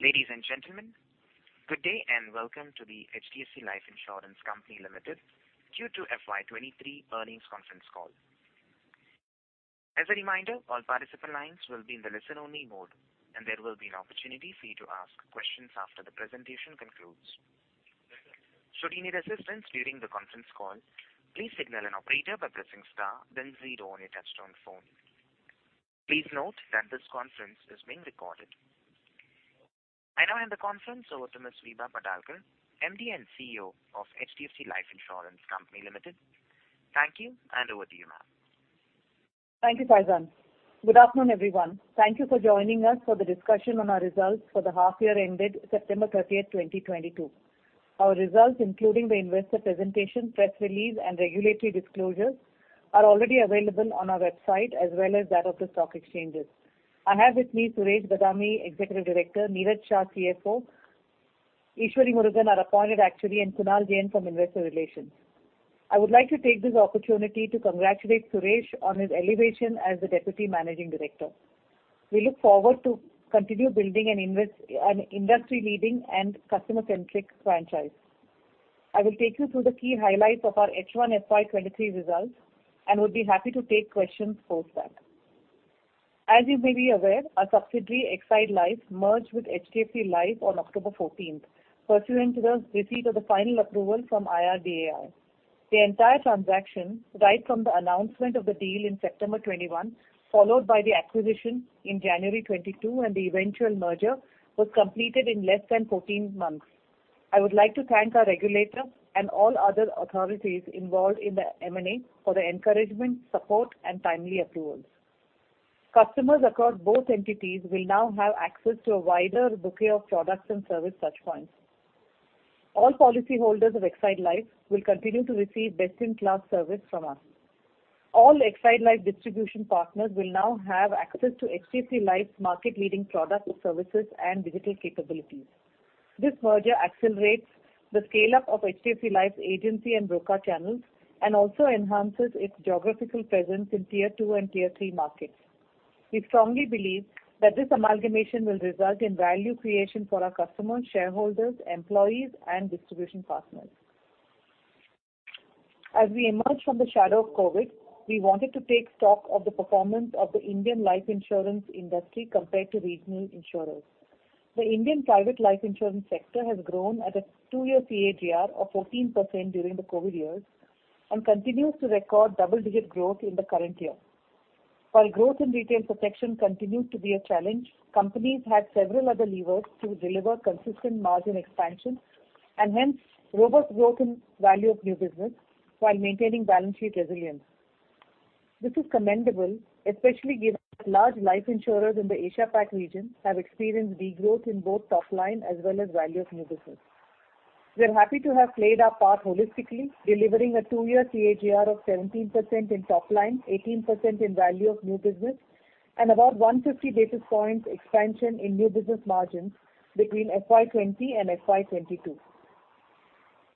Ladies and gentlemen, good day and welcome to the HDFC Life Insurance Company Limited Q2 FY23 earnings conference call. As a reminder, all participant lines will be in the listen-only mode, and there will be an opportunity for you to ask questions after the presentation concludes. Should you need assistance during the conference call, please signal an operator by pressing star then zero on your touchtone phone. Please note that this conference is being recorded. I now hand the conference over to Ms. Vibha Padalkar, MD and CEO of HDFC Life Insurance Company Limited. Thank you, and over to you, ma'am. Thank you, Faizan. Good afternoon, everyone. Thank you for joining us for the discussion on our results for the half year ended September 30th, 2022. Our results, including the investor presentation, press release, and regulatory disclosures, are already available on our website as well as that of the stock exchanges. I have with me Suresh Badami, Executive Director, Niraj Shah, CFO, Eshwari Murugan, our appointed actuary, and Kunal Jain from Investor Relations. I would like to take this opportunity to congratulate Suresh on his elevation as the Deputy Managing Director. We look forward to continue building an industry leading and customer-centric franchise. I will take you through the key highlights of our H1FY23 results and would be happy to take questions post that. As you may be aware, our subsidiary, Exide Life, merged with HDFC Life on October 14, pursuant to the receipt of the final approval from IRDAI. The entire transaction, right from the announcement of the deal in September 2021, followed by the acquisition in January 2022 and the eventual merger, was completed in less than 14 months. I would like to thank our regulator and all other authorities involved in the M&A for their encouragement, support and timely approvals. Customers across both entities will now have access to a wider bouquet of products and service touchpoints. All policyholders of Exide Life will continue to receive best in class service from us. All Exide Life distribution partners will now have access to HDFC Life's market leading products and services and digital capabilities. This merger accelerates the scale up of HDFC Life's agency and broker channels and also enhances its geographical presence in tier two and tier three markets. We strongly believe that this amalgamation will result in value creation for our customers, shareholders, employees, and distribution partners. As we emerge from the shadow of COVID, we wanted to take stock of the performance of the Indian life insurance industry compared to regional insurers. The Indian private life insurance sector has grown at a two year CAGR of 14% during the COVID years and continues to record double digit growth in the current year. While growth in retail protection continued to be a challenge, companies had several other levers to deliver consistent margin expansion and hence robust growth in value of new business while maintaining balance sheet resilience. This is commendable, especially given that large life insurers in the Asia Pac region have experienced degrowth in both top line as well as value of new business. We're happy to have played our part holistically, delivering a two year CAGR of 17% in top line, 18% in value of new business, and about 150 basis points expansion in new business margins between FY 2020 and FY 2022.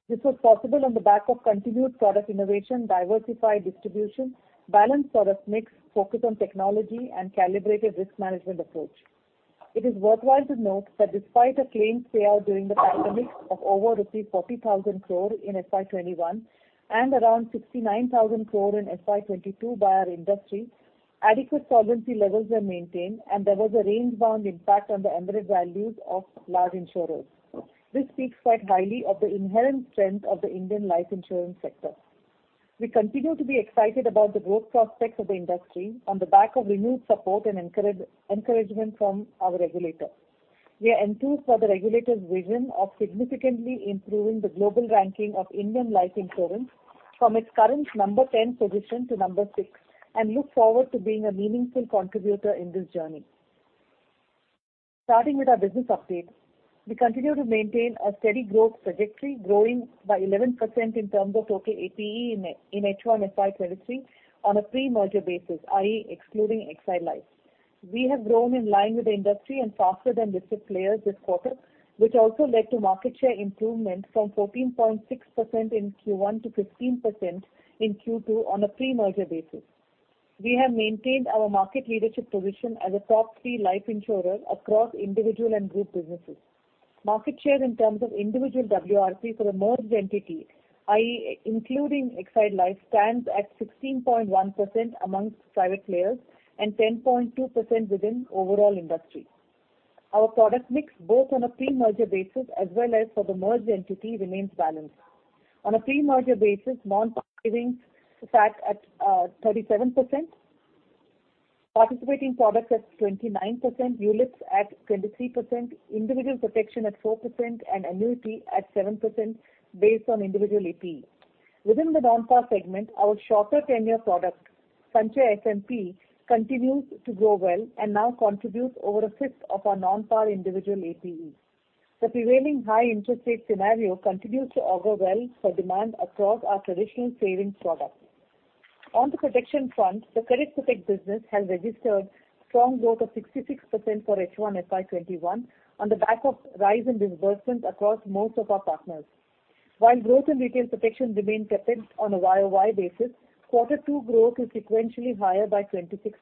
This was possible on the back of continued product innovation, diversified distribution, balanced product mix, focus on technology, and calibrated risk management approach. It is worthwhile to note that despite a claims payout during the pandemic of over 40,000 crore rupees in FY 2021 and around 69,000 crore rupees in FY 2022 by our industry, adequate solvency levels were maintained and there was a range bound impact on the embedded values of large insurers. This speaks quite highly of the inherent strength of the Indian life insurance sector. We continue to be excited about the growth prospects of the industry on the back of renewed support and encouragement from our regulator. We are enthused by the regulator's vision of significantly improving the global ranking of Indian life insurance from its current number ten position to number six and look forward to being a meaningful contributor in this journey. Starting with our business update. We continue to maintain a steady growth trajectory, growing by 11% in terms of total APE in H1FY23 on a pre-merger basis, i.e., excluding Exide Life. We have grown in line with the industry and faster than listed players this quarter, which also led to market share improvement from 14.6% in Q1 to 15% in Q2 on a pre-merger basis. We have maintained our market leadership position as a top three life insurer across individual and group businesses. Market share in terms of individual WRP for the merged entity, i.e., including Exide Life, stands at 16.1% among private players and 10.2% within overall industry. Our product mix, both on a pre-merger basis as well as for the merged entity, remains balanced. On a pre-merger basis, non-par savings stood at 37%, participating products at 29%, ULIPs at 23%, individual protection at 4%, and annuity at 7% based on individual APE. Within the non-par segment, our shorter tenure product, Sanchay SMP, continues to grow well and now contributes over a fifth of our non-par individual APE. The prevailing high interest rate scenario continues to augur well for demand across our traditional savings products. On the protection front, the Credit Protect business has registered strong growth of 66% for H1FY21 on the back of rise in disbursements across most of our partners. While growth in retail protection remained tepid on a YOY basis, quarter two growth is sequentially higher by 26%.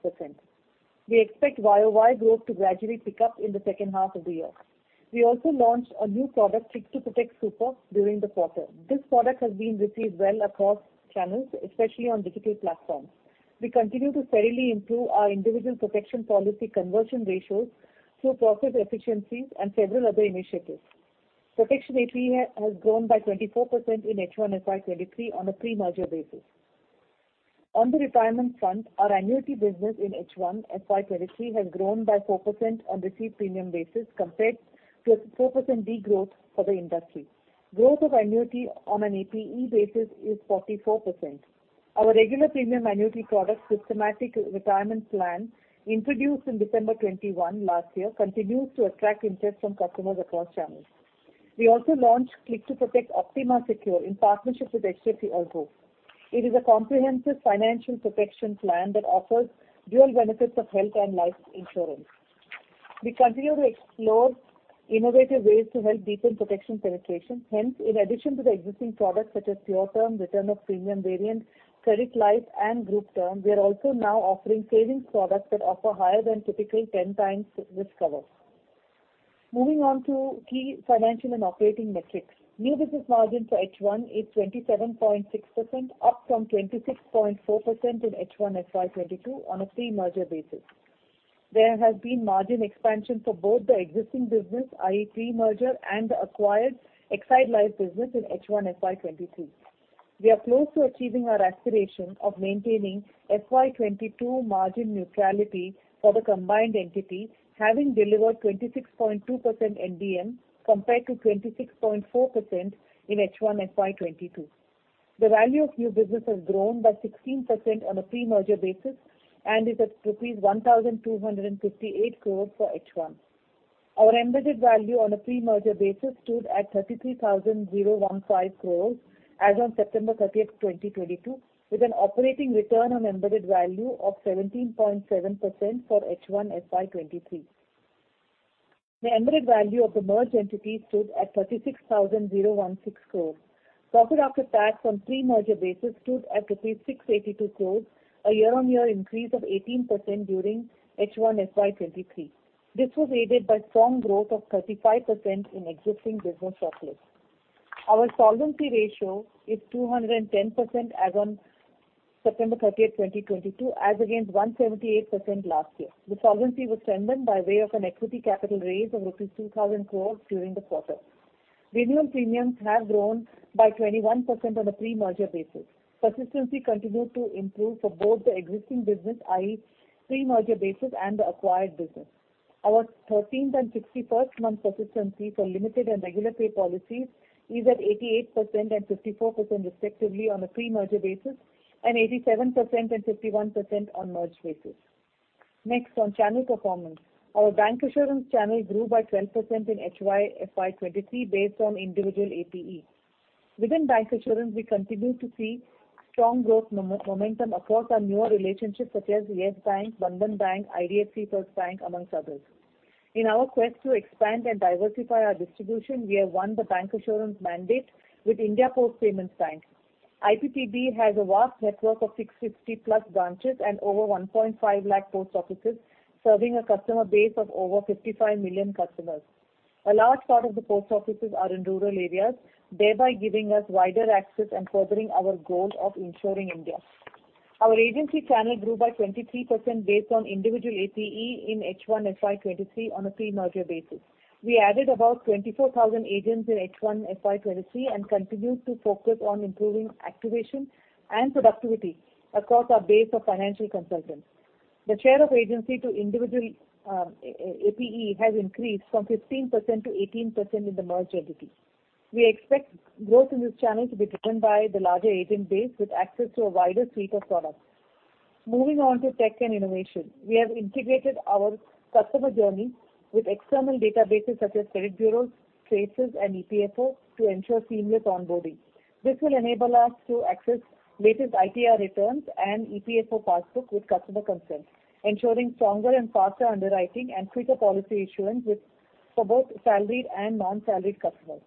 We expect YOY growth to gradually pick up in the second half of the year. We also launched a new product, Click2Protect Super, during the quarter. This product has been received well across channels, especially on digital platforms. We continue to steadily improve our individual protection policy conversion ratios through process efficiencies and several other initiatives. Protection APE has grown by 24% in H1 FY23 on a pre-merger basis. On the retirement front, our annuity business in H1 FY23 has grown by 4% on received premium basis compared to a 4% degrowth for the industry. Growth of annuity on an APE basis is 44%. Our regular premium annuity product, Systematic Retirement Plan, introduced in December 2021 last year, continues to attract interest from customers across channels. We also launched Click2Protect Optima Secure in partnership with HDFC ERGO. It is a comprehensive financial protection plan that offers dual benefits of health and life insurance. We continue to explore innovative ways to help deepen protection penetration. Hence, in addition to the existing products such as Pure Term, Return of Premium variants, Credit Life and Group Term, we are also now offering savings products that offer higher than typical 10x risk cover. Moving on to key financial and operating metrics. New business margin for H1 is 27.6%, up from 26.4% in H1 FY22 on a pre-merger basis. There has been margin expansion for both the existing business, i.e., pre-merger, and the acquired Exide Life business in H1 FY23. We are close to achieving our aspiration of maintaining FY22 margin neutrality for the combined entity, having delivered 26.2% NBM compared to 26.4% in H1 FY22. The value of new business has grown by 16% on a pre-merger basis and is at rupees 1,258 crore for H1. Our embedded value on a pre-merger basis stood at 33,015 crore as on September 30th, 2022, with an operating return on embedded value of 17.7% for H1 FY23. The embedded value of the merged entity stood at 36,016 crore. Profit after tax on pre-merger basis stood at 682 crore, a year-on-year increase of 18% during H1 FY 2023. This was aided by strong growth of 35% in existing business profits. Our solvency ratio is 210% as on September 30th, 2022, as against 178% last year. The solvency was strengthened by way of an equity capital raise of rupees 2,000 crore during the quarter. Renewal premiums have grown by 21% on a pre-merger basis. Persistency continued to improve for both the existing business, i.e., pre-merger basis, and the acquired business. Our 13th and 61st month persistency for limited and regular pay policies is at 88% and 54% respectively on a pre-merger basis, and 87% and 51% on merged basis. Next, on channel performance. Our bancassurance channel grew by 12% in H1 FY23 based on individual APE. Within bancassurance, we continue to see strong growth momentum across our newer relationships such as Yes Bank, Bandhan Bank, IDFC First Bank, amongst others. In our quest to expand and diversify our distribution, we have won the bancassurance mandate with India Post Payments Bank. IPPB has a vast network of 650+ branches and over 1.5 lakh post offices, serving a customer base of over 55 million customers. A large part of the post offices are in rural areas, thereby giving us wider access and furthering our goal of insuring India. Our agency channel grew by 23% based on individual APE in H1 FY23 on a pre-merger basis. We added about 24,000 agents in H1 FY23 and continue to focus on improving activation and productivity across our base of financial consultants. The share of agency to individual APE has increased from 15% to 18% in the merged entity. We expect growth in this channel to be driven by the larger agent base with access to a wider suite of products. Moving on to tech and innovation. We have integrated our customer journey with external databases such as credit bureaus, TRACES, and EPFO to ensure seamless onboarding. This will enable us to access latest ITR returns and EPFO passbook with customer consent, ensuring stronger and faster underwriting and quicker policy issuance for both salaried and non-salaried customers.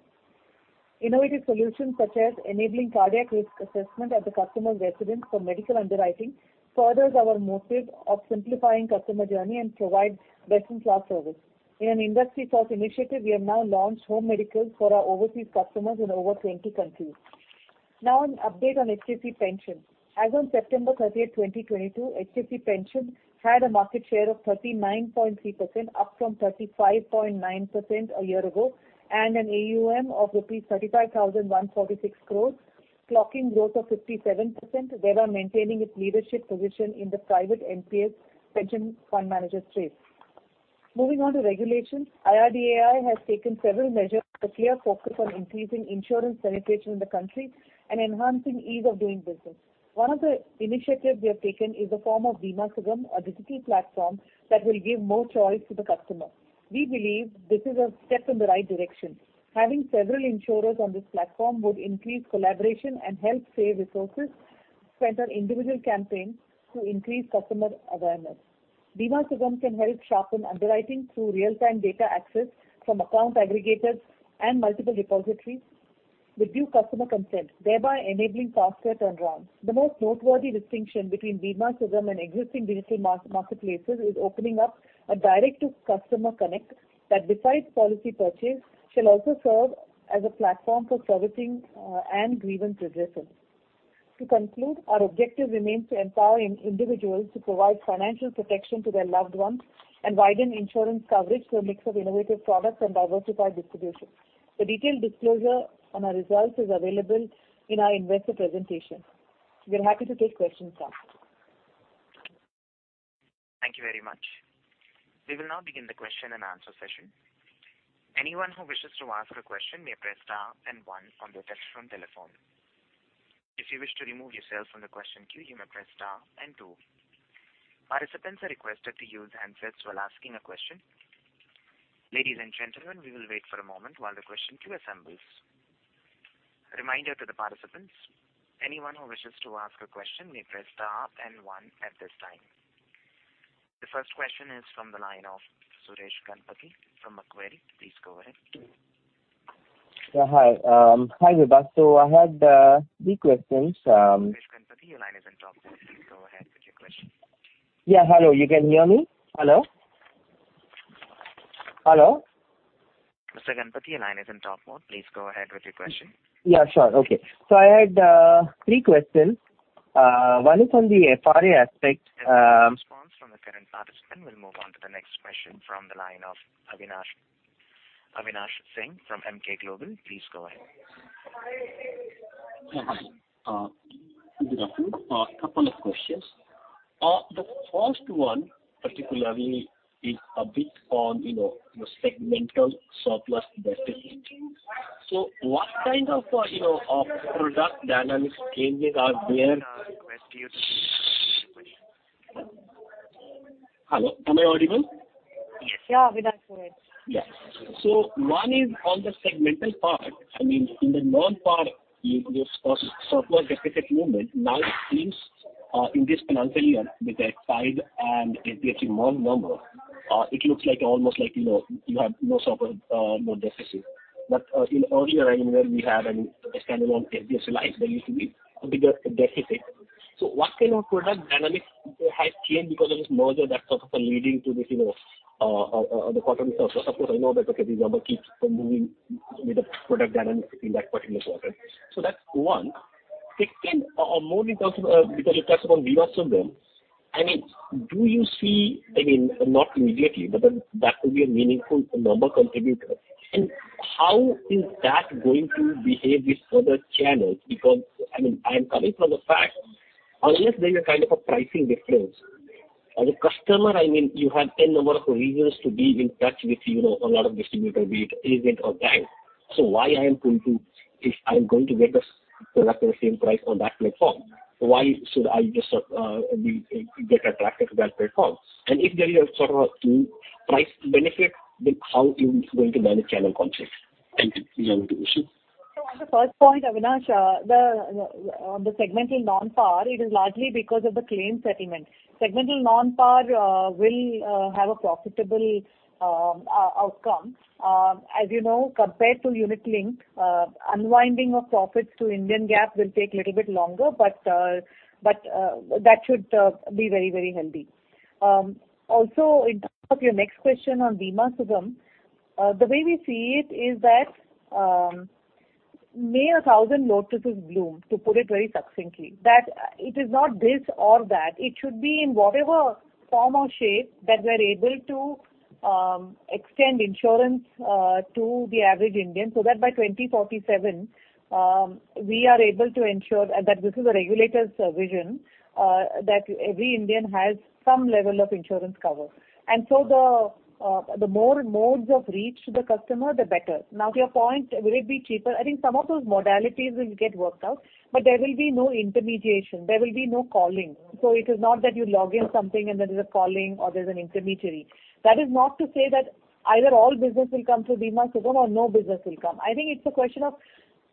Innovative solutions such as enabling cardiac risk assessment at the customer's residence for medical underwriting furthers our motive of simplifying customer journey and provide best in class service. In an industry first initiative, we have now launched home medicals for our overseas customers in over 20 countries. Now an update on HDFC Pension. As on September 30th, 2022, HDFC Pension had a market share of 39.3%, up from 35.9% a year ago and an AUM of rupees 35,146 crore, clocking growth of 57%, thereby maintaining its leadership position in the private NPS pension fund manager space. Moving on to regulations. IRDAI has taken several measures with a clear focus on increasing insurance penetration in the country and enhancing ease of doing business. One of the initiatives they have taken is in the form of Bima Sugam, a digital platform that will give more choice to the customer. We believe this is a step in the right direction. Having several insurers on this platform would increase collaboration and help save resources spent on individual campaigns to increase customer awareness. Bima Sugam can help sharpen underwriting through real time data access from account aggregators and multiple repositories with due customer consent, thereby enabling faster turnarounds. The most noteworthy distinction between Bima Sugam and existing digital marketplaces is opening up a direct to customer connect that besides policy purchase, shall also serve as a platform for servicing, and grievance redressal. To conclude, our objective remains to empower individuals to provide financial protection to their loved ones and widen insurance coverage through a mix of innovative products and diversified distribution. The detailed disclosure on our results is available in our investor presentation. We are happy to take questions now. Thank you very much. We will now begin the question and answer session. Anyone who wishes to ask a question may press star and one on their touchtone telephone. If you wish to remove yourself from the question queue, you may press star and two. Participants are requested to use handsets while asking a question. Ladies and gentlemen, we will wait for a moment while the question queue assembles. A reminder to the participants, anyone who wishes to ask a question may press star and one at this time. The first question is from the line of Suresh Ganapathy from Macquarie. Please go ahead. Yeah, hi. Hi, Vibha. I had three questions. Suresh Ganapathy, your line is in talk mode. Please go ahead with your question. Yeah. Hello. You can hear me? Hello? Hello? Mr. Ganapathy, your line is in talk mode. Please go ahead with your question. Yeah, sure. Okay. I had three questions. One is on the FRA aspect. If there's no response from the current participant, we'll move on to the next question from the line of Avinash Singh from Emkay Global. Please go ahead. Yeah. Hi. Good afternoon. A couple of questions. The first one particularly is a bit on, you know, your segmental surplus deficit. What kind of, you know, product dynamics changes are there- Sir, I request you to. Hello? Am I audible? Yeah. Avinash, go ahead. Yeah. One is on the segmental part. I mean, in the non-par, your surplus deficit movement now seems in this financial year with tied and untied non-number, it looks like almost like, you know, you have no surplus, no deficit. In earlier years we had an expense on par life, there used to be a bigger deficit. What kind of product dynamics has changed because of this merger that's sort of leading to this, you know, the better surplus? Of course, I know that, okay, the government keeps on moving with the product dynamics in that particular quarter. That's one. Second, or more in terms of, because you touched upon Bima Sugam, I mean, do you see, I mean, not immediately, but then that could be a meaningful number contributor. How is that going to behave with other channels? Because, I mean, I'm coming from the fact unless there's a kind of a pricing difference, as a customer, I mean, you have n number of reasons to be in touch with, you know, a lot of distributor, be it agent or bank. If I'm going to get the product at the same price on that platform, why should I just get attracted to that platform? If there is a sort of a price benefit, then how is it going to manage channel conflict? Thank you. Over to you, Vibha. On the first point, Avinash, the segmental non-par, it is largely because of the claim settlement. Segmental non-par will have a profitable outcome. As you know, compared to unit link, unwinding of profits to Indian GAAP will take little bit longer. That should be very, very healthy. Also in terms of your next question on Bima Sugam, the way we see it is that, may a thousand lotuses bloom, to put it very succinctly. That it is not this or that. It should be in whatever form or shape that we're able to extend insurance to the average Indian, so that by 2047, we are able to ensure that this is a regulator's vision, that every Indian has some level of insurance cover. The more modes of reach to the customer, the better. Now to your point, will it be cheaper? I think some of those modalities will get worked out, but there will be no intermediation. There will be no calling. It is not that you log in something and there is a calling or there's an intermediary. That is not to say that either all business will come through Bima Sugam or no business will come. I think it's a question of,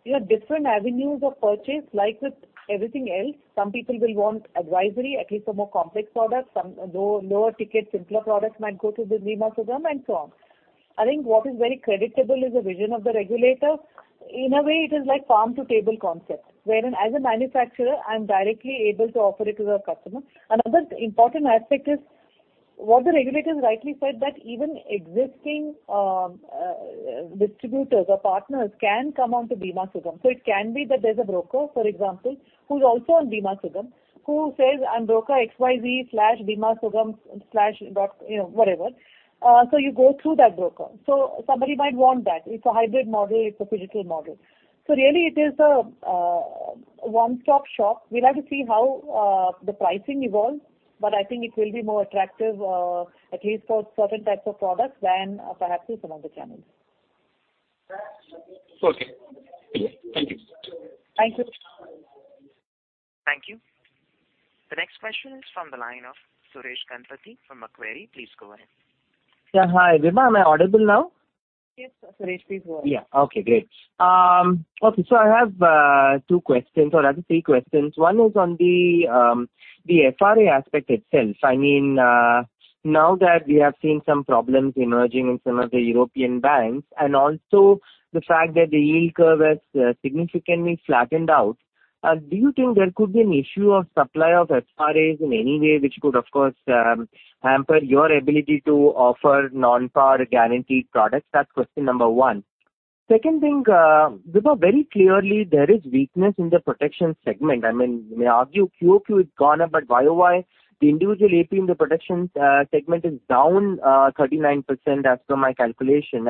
you know, different avenues of purchase. Like with everything else, some people will want advisory, at least for more complex products. Some low, lower ticket simpler products might go through the Bima Sugam and so on. I think what is very credible is the vision of the regulator. In a way, it is like farm to table concept, wherein as a manufacturer, I'm directly able to offer it to the customer. Another important aspect is what the regulators rightly said that even existing distributors or partners can come onto Bima Sugam. It can be that there's a broker, for example, who's also on Bima Sugam, who says, "I'm broker XYZ slash Bima Sugam slash dot," you know, whatever. You go through that broker. Somebody might want that. It's a hybrid model. It's a digital model. Really it is a one-stop shop. We'll have to see how the pricing evolves, but I think it will be more attractive at least for certain types of products than perhaps with some other channels. Okay. Thank you. Thank you. Thank you. The next question is from the line of Suresh Ganapathy from Macquarie. Please go ahead. Yeah. Hi, Vibha. Am I audible now? Yes, Suresh. Please go ahead. Okay, great. So I have two questions or rather three questions. One is on the FRA aspect itself. I mean, now that we have seen some problems emerging in some of the European banks, and also the fact that the yield curve has significantly flattened out, do you think there could be an issue of supply of FRAs in any way which could, of course, hamper your ability to offer non-par guaranteed products? That's question number one. Second thing, Vibha, very clearly there is weakness in the protection segment. I mean, you may argue QOQ has gone up, but YOY, the individual APE in the protection segment is down 39% as per my calculation.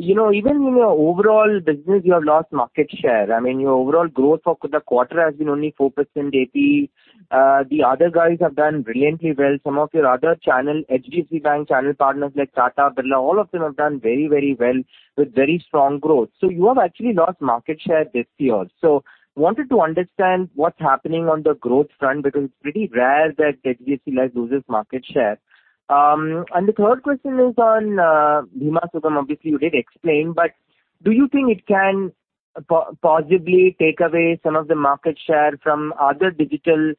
You know, even in your overall business you have lost market share. I mean, your overall growth for the quarter has been only 4% APE. The other guys have done brilliantly well. Some of your other channel, HDFC Bank channel partners like Tata, Birla, all of them have done very, very well with very strong growth. You have actually lost market share this year. Wanted to understand what's happening on the growth front, because it's pretty rare that HDFC Life loses market share. The third question is on Bima Sugam. Obviously, you did explain, but do you think it can possibly take away some of the market share from other digital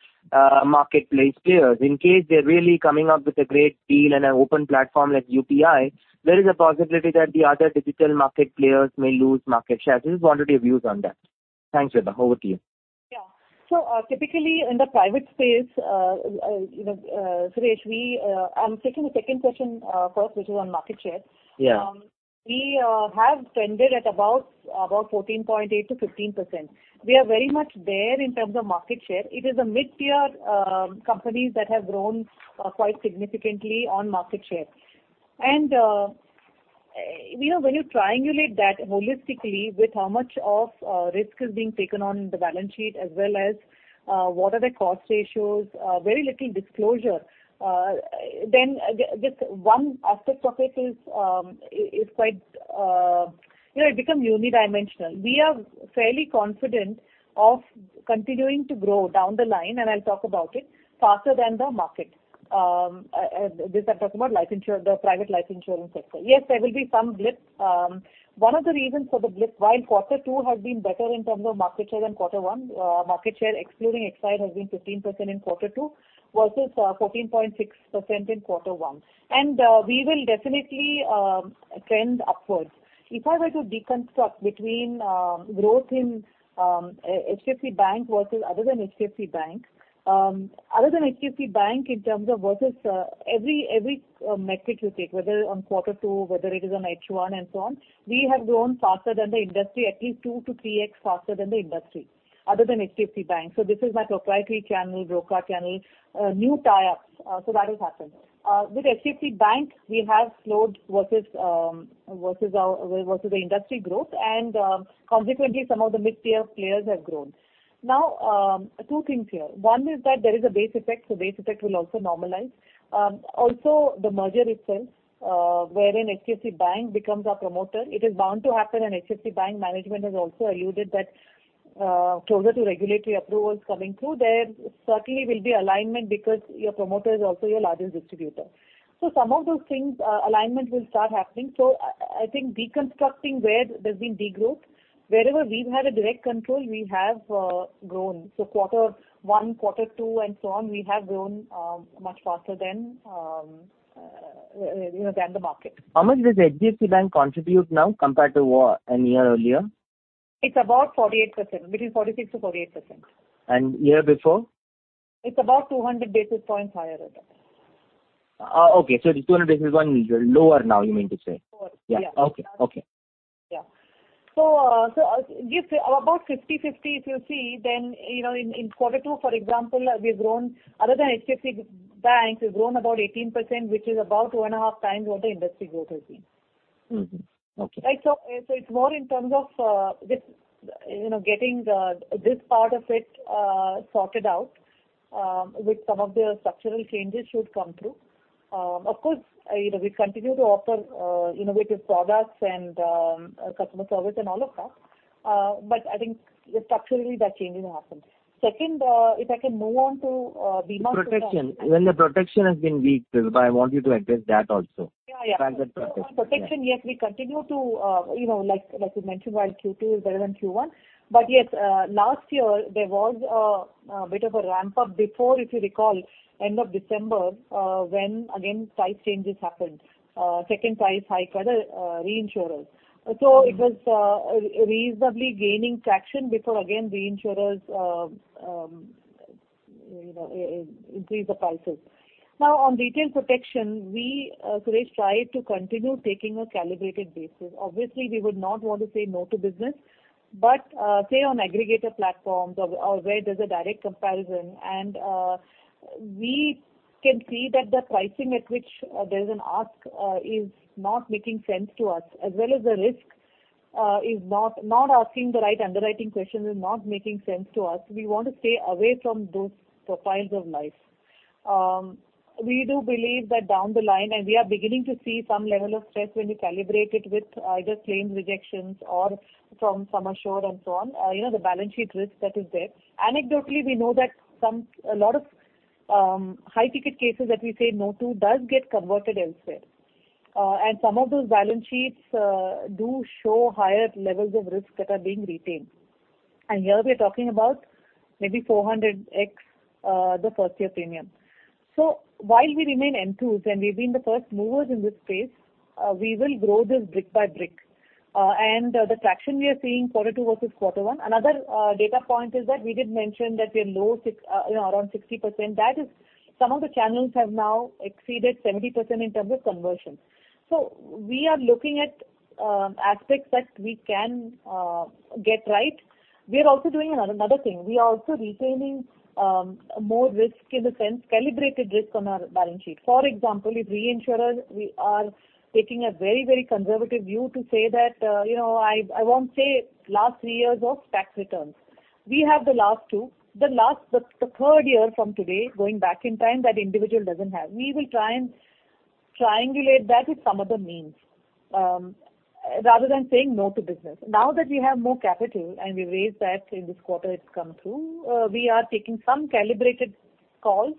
marketplace players? In case they're really coming up with a great deal and an open platform like UPI, there is a possibility that the other digital market players may lose market share. Just wanted your views on that. Thanks, Vibha. Over to you. Yeah. Typically in the private space, you know, Suresh, I'm taking the second question first, which is on market share. Yeah. We have trended at about 14.8%-15%. We are very much there in terms of market share. It is the mid-tier companies that have grown quite significantly on market share. You know, when you triangulate that holistically with how much of risk is being taken on the balance sheet as well as what are the cost ratios, very little disclosure, then this one aspect of it is quite. You know, it become unidimensional. We are fairly confident of continuing to grow down the line, and I'll talk about it, faster than the market. This I'm talking about the private life insurance sector. Yes, there will be some blip. One of the reasons for the blip, while quarter two has been better in terms of market share than quarter one, market share excluding Exide Life has been 15% in quarter two versus 14.6% in quarter one. We will definitely trend upwards. If I were to deconstruct between growth in HDFC Bank versus other than HDFC Bank. Other than HDFC Bank in terms of versus every metric you take, whether on quarter two, whether it is on H1 and so on, we have grown faster than the industry, at least 2-3x faster than the industry, other than HDFC Bank. This is my proprietary channel, broker channel, new tie-ups. That has happened. With HDFC Bank, we have slowed versus the industry growth and consequently some of the mid-tier players have grown. Now, two things here. One is that there is a base effect, so base effect will also normalize. Also the merger itself, wherein HDFC Bank becomes our promoter. It is bound to happen, and HDFC Bank management has also alluded that closer to regulatory approvals coming through, there certainly will be alignment because your promoter is also your largest distributor. Some of those things, alignment will start happening. I think deconstructing where there's been de-growth, wherever we've had a direct control, we have grown. Quarter one, quarter two and so on, we have grown much faster than, you know, the market. How much does HDFC Bank contribute now compared to a year earlier? It's about 48%, between 46%-48%. Year before? It's about 200 basis points higher. Oh, okay. It's 200 basis points lower now, you mean to say? Lower, yeah. Yeah. Okay. Okay. Yeah. Just about 50-50, if you see then, you know, in quarter two, for example, we've grown other than HDFC Bank, we've grown about 18%, which is about 2.5x what the industry growth has been. Okay. Right. It's more in terms of this, you know, getting this part of it sorted out with some of the structural changes should come through. Of course, you know, we continue to offer innovative products and customer service and all of that. I think structurally that change will happen. Second, if I can move on to Bima Sugam. Protection. When the protection has been weak. Vibha, I want you to address that also. Yeah, yeah. Target protection. Yeah. On protection, yes, we continue to, you know, like you mentioned, while Q2 is better than Q1, but yes, last year there was a bit of a ramp up before, if you recall, end of December, when again price changes happened. Second price hike at reinsurers. So it was reasonably gaining traction before again reinsurers, you know, increase the prices. Now on retail protection, we, Suresh, try to continue taking a calibrated basis. Obviously, we would not want to say no to business, but say on aggregator platforms or where there's a direct comparison and we can see that the pricing at which there's an ask is not making sense to us as well as the risk is not asking the right underwriting questions is not making sense to us. We want to stay away from those profiles of life. We do believe that down the line, we are beginning to see some level of stress when we calibrate it with either claim rejections or from some assured and so on, the balance sheet risk that is there. Anecdotally, we know that a lot of high ticket cases that we say no to does get converted elsewhere. Some of those balance sheets do show higher levels of risk that are being retained. Here we are talking about maybe 400x the first year premium. While we remain enthused and we've been the first movers in this space, we will grow this brick by brick. The traction we are seeing quarter two versus quarter one. Another data point is that we did mention that we are low six, you know, around 60%. That is some of the channels have now exceeded 70% in terms of conversion. We are looking at aspects that we can get right. We are also doing another thing. We are also retaining more risk in the sense calibrated risk on our balance sheet. For example, if reinsurer, we are taking a very, very conservative view to say that, you know, I won't say last three years of tax returns. We have the last two. The third year from today, going back in time that individual doesn't have. We will try and triangulate that with some other means, rather than saying no to business. Now that we have more capital and we raised that in this quarter it's come through, we are taking some calibrated calls,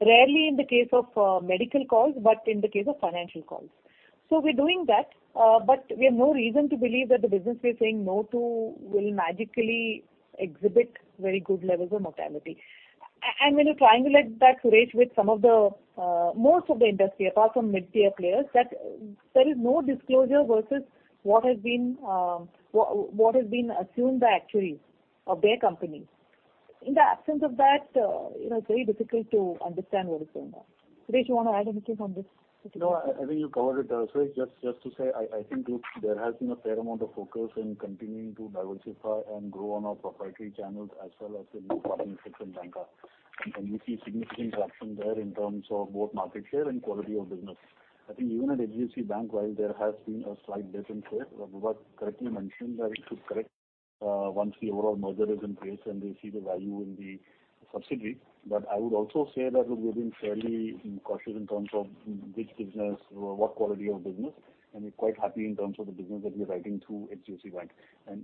rarely in the case of medical calls, but in the case of financial calls. We're doing that, but we have no reason to believe that the business we're saying no to will magically exhibit very good levels of mortality. When you triangulate that, Suresh, with some of the most of the industry apart from mid-tier players, that there is no disclosure versus what has been assumed by actuaries of their companies. In the absence of that, you know, it's very difficult to understand what is going on. Suresh, you want to add anything on this particular point? No, I think you covered it, Suresh. Just to say, I think there has been a fair amount of focus in continuing to diversify and grow on our proprietary channels as well as in partnership with banca. We see significant traction there in terms of both market share and quality of business. I think even at HDFC Bank, while there has been a slight dip in share, Vibha correctly mentioned that it should correct once the overall merger is in place and we see the value in the synergy. I would also say that look we've been fairly cautious in terms of which business, what quality of business, and we're quite happy in terms of the business that we're writing through HDFC Bank.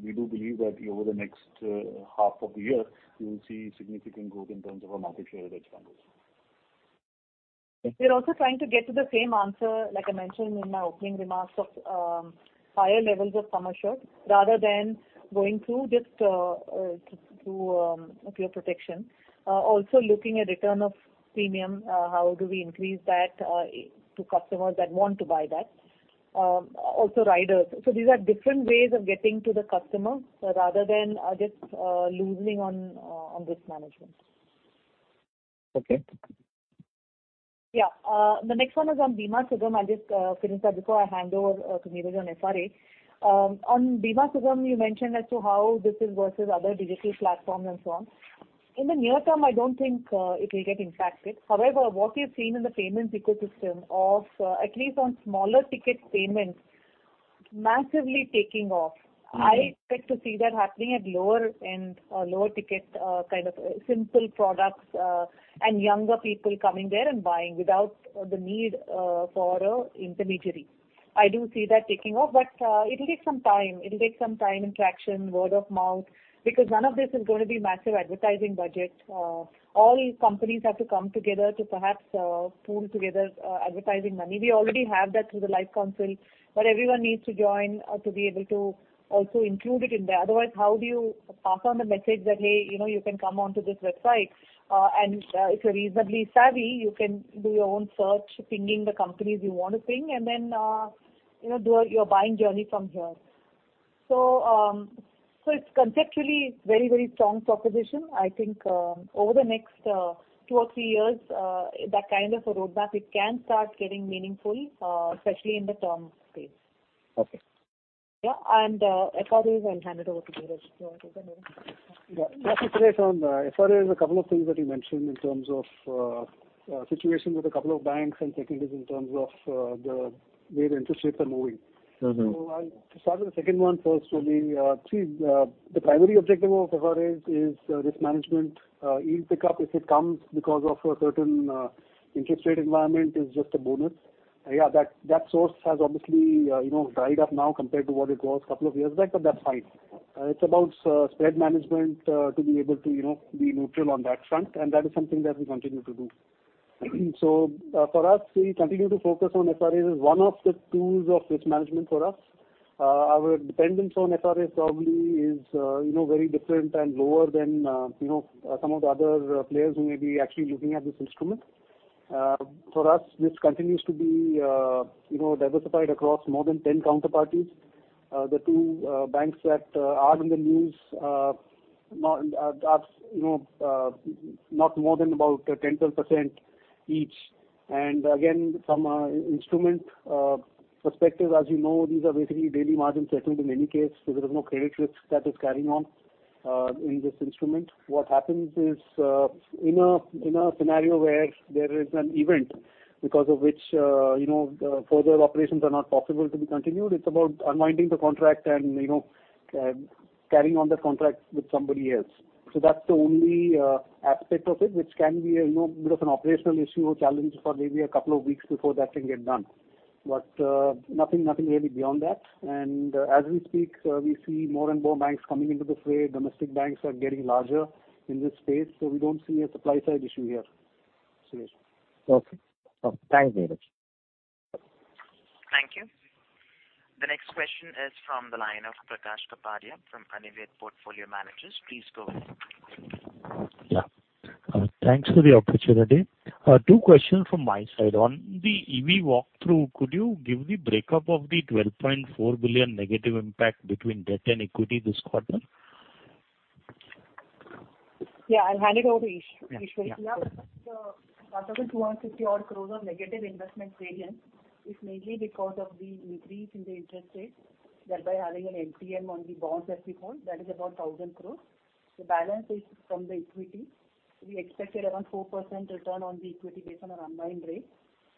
We do believe that over the next half of the year, we will see significant growth in terms of our market share in hedge funds. We're also trying to get to the same answer, like I mentioned in my opening remarks of higher levels of Sum Assured rather than going through just a pure protection. Also looking at return of premium, how do we increase that to customers that want to buy that? Also riders. These are different ways of getting to the customer rather than just loosening on risk management. Okay. Yeah. The next one is on Bima Sugam. I'll just finish that before I hand over to Niraj on FRA. On Bima Sugam, you mentioned as to how this is versus other digital platforms and so on. In the near term, I don't think it will get impacted. However, what we've seen in the payments ecosystem of at least on smaller ticket payments massively taking off. Mm-hmm. I expect to see that happening at lower end or lower ticket, kind of simple products, and younger people coming there and buying without the need for a intermediary. I do see that taking off, but it'll take some time. It'll take some time and traction, word of mouth, because none of this is going to be massive advertising budget. All companies have to come together to perhaps pool together advertising money. We already have that through the Life Insurance Council, but everyone needs to join to be able to also include it in there. Otherwise, how do you pass on the message that, hey, you know, you can come onto this website, and if you're reasonably savvy, you can do your own search, pinging the companies you want to ping and then, you know, do your buying journey from here. It's conceptually very, very strong proposition. I think, over the next two or three years, that kind of a roadmap, it can start getting meaningful, especially in the term space. Okay. Yeah. FRAs, I'll hand it over to Niraj. Do you want to take that, Niraj? Yeah. Just to touch on FRAs, a couple of things that you mentioned in terms of situation with a couple of banks and takeaways in terms of the way the interest rates are moving. Mm-hmm. I'll start with the second one first. The primary objective of FRAs is risk management. Yield pickup, if it comes because of a certain interest rate environment is just a bonus. Yeah, that source has obviously, you know, dried up now compared to what it was couple of years back, but that's fine. It's about spread management to be able to, you know, be neutral on that front, and that is something that we continue to do. For us, we continue to focus on FRAs as one of the tools of risk management for us. Our dependence on FRAs probably is, you know, very different and lower than, you know, some of the other players who may be actually looking at this instrument. For us, this continues to be, you know, diversified across more than 10 counterparties. The two banks that are in the news are, you know, not more than about 10%-12% each. Again, from a instrument perspective, as you know, these are basically daily margin settled in many cases, so there is no credit risk that is carrying on in this instrument. What happens is, in a scenario where there is an event because of which, you know, further operations are not possible to be continued, it's about unwinding the contract and, you know, carrying on that contract with somebody else. That's the only aspect of it, which can be a, you know, bit of an operational issue or challenge for maybe a couple of weeks before that can get done. Nothing really beyond that. As we speak, we see more and more banks coming into this way. Domestic banks are getting larger in this space, so we don't see a supply side issue here. Suresh. Okay. Thanks, Niraj. Thank you. The next question is from the line of Prakash Kapadia from Anived Portfolio Managers. Please go ahead. Thanks for the opportunity. Two questions from my side. On the EV walk-through, could you give the break up of the 12.4 billion negative impact between debt and equity this quarter? Yeah, I'll hand it over to Ishi. Ishi. Yeah. Yeah. 5,260-odd crores of negative investment variance is mainly because of the increase in the interest rates, thereby having an MTM on the bonds that we hold, that is about 1,000 crores. The balance is from the equity. We expected around 4% return on the equity based on our unwind rate.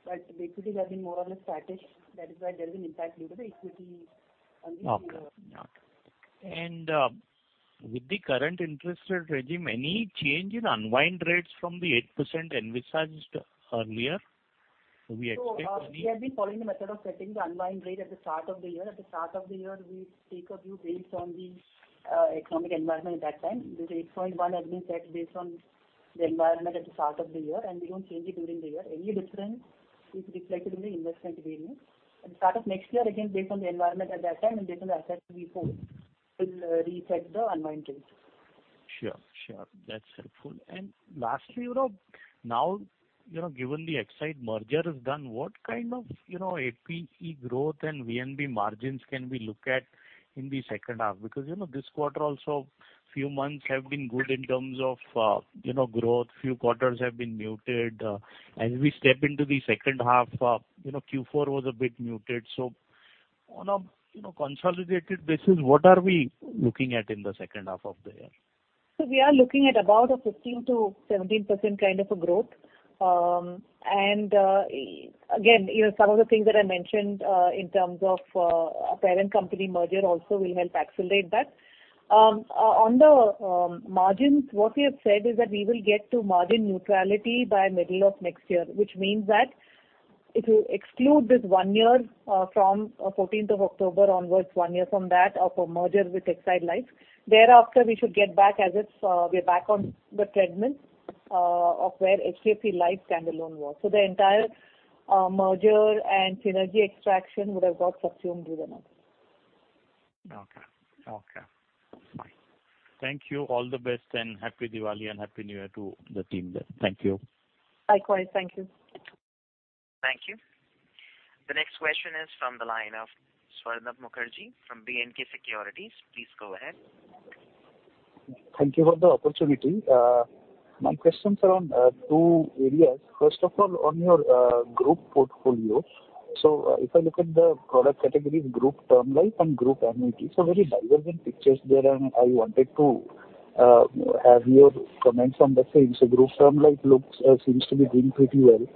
But the equities have been more or less static. That is why there's an impact due to the equity on the Okay. Got it. With the current interest rate regime, any change in unwind rates from the 8% envisaged earlier? Do we expect any- We have been following the method of setting the unwind rate at the start of the year. At the start of the year, we take a view based on the economic environment at that time. The 8.1 has been set based on the environment at the start of the year, and we don't change it during the year. Any difference is reflected in the investment variance. At start of next year, again, based on the environment at that time and based on the assets we hold, we'll reset the unwind rates. Sure. That's helpful. Lastly, you know, now, you know, given the Exide Life merger is done, what kind of, you know, APE growth and VNB margins can we look at in the second half? Because, you know, this quarter also few months have been good in terms of, you know, growth. Few quarters have been muted. As we step into the second half, you know, Q4 was a bit muted. So on a, you know, consolidated basis, what are we looking at in the second half of the year? We are looking at about a 15%-17% kind of a growth. Again, you know, some of the things that I mentioned in terms of our parent company merger also will help accelerate that. On the margins, what we have said is that we will get to margin neutrality by middle of next year, which means that if you exclude this one year from fourteenth of October onwards, one year from that of a merger with Exide Life, thereafter we should get back as if we're back on the treadmill of where HDFC Life standalone was. The entire merger and synergy extraction would have got subsumed within that. Okay. Fine. Thank you. All the best and Happy Diwali and Happy New Year to the team there. Thank you. Likewise. Thank you. Thank you. The next question is from the line of Swarnabh Mukherjee from B&K Securities. Please go ahead. Thank you for the opportunity. My questions are on two areas. First of all, on your group portfolio. If I look at the product categories, group term life and group annuity, it's a very divergent picture there and I wanted to have your comments on the same. Group term life seems to be doing pretty well,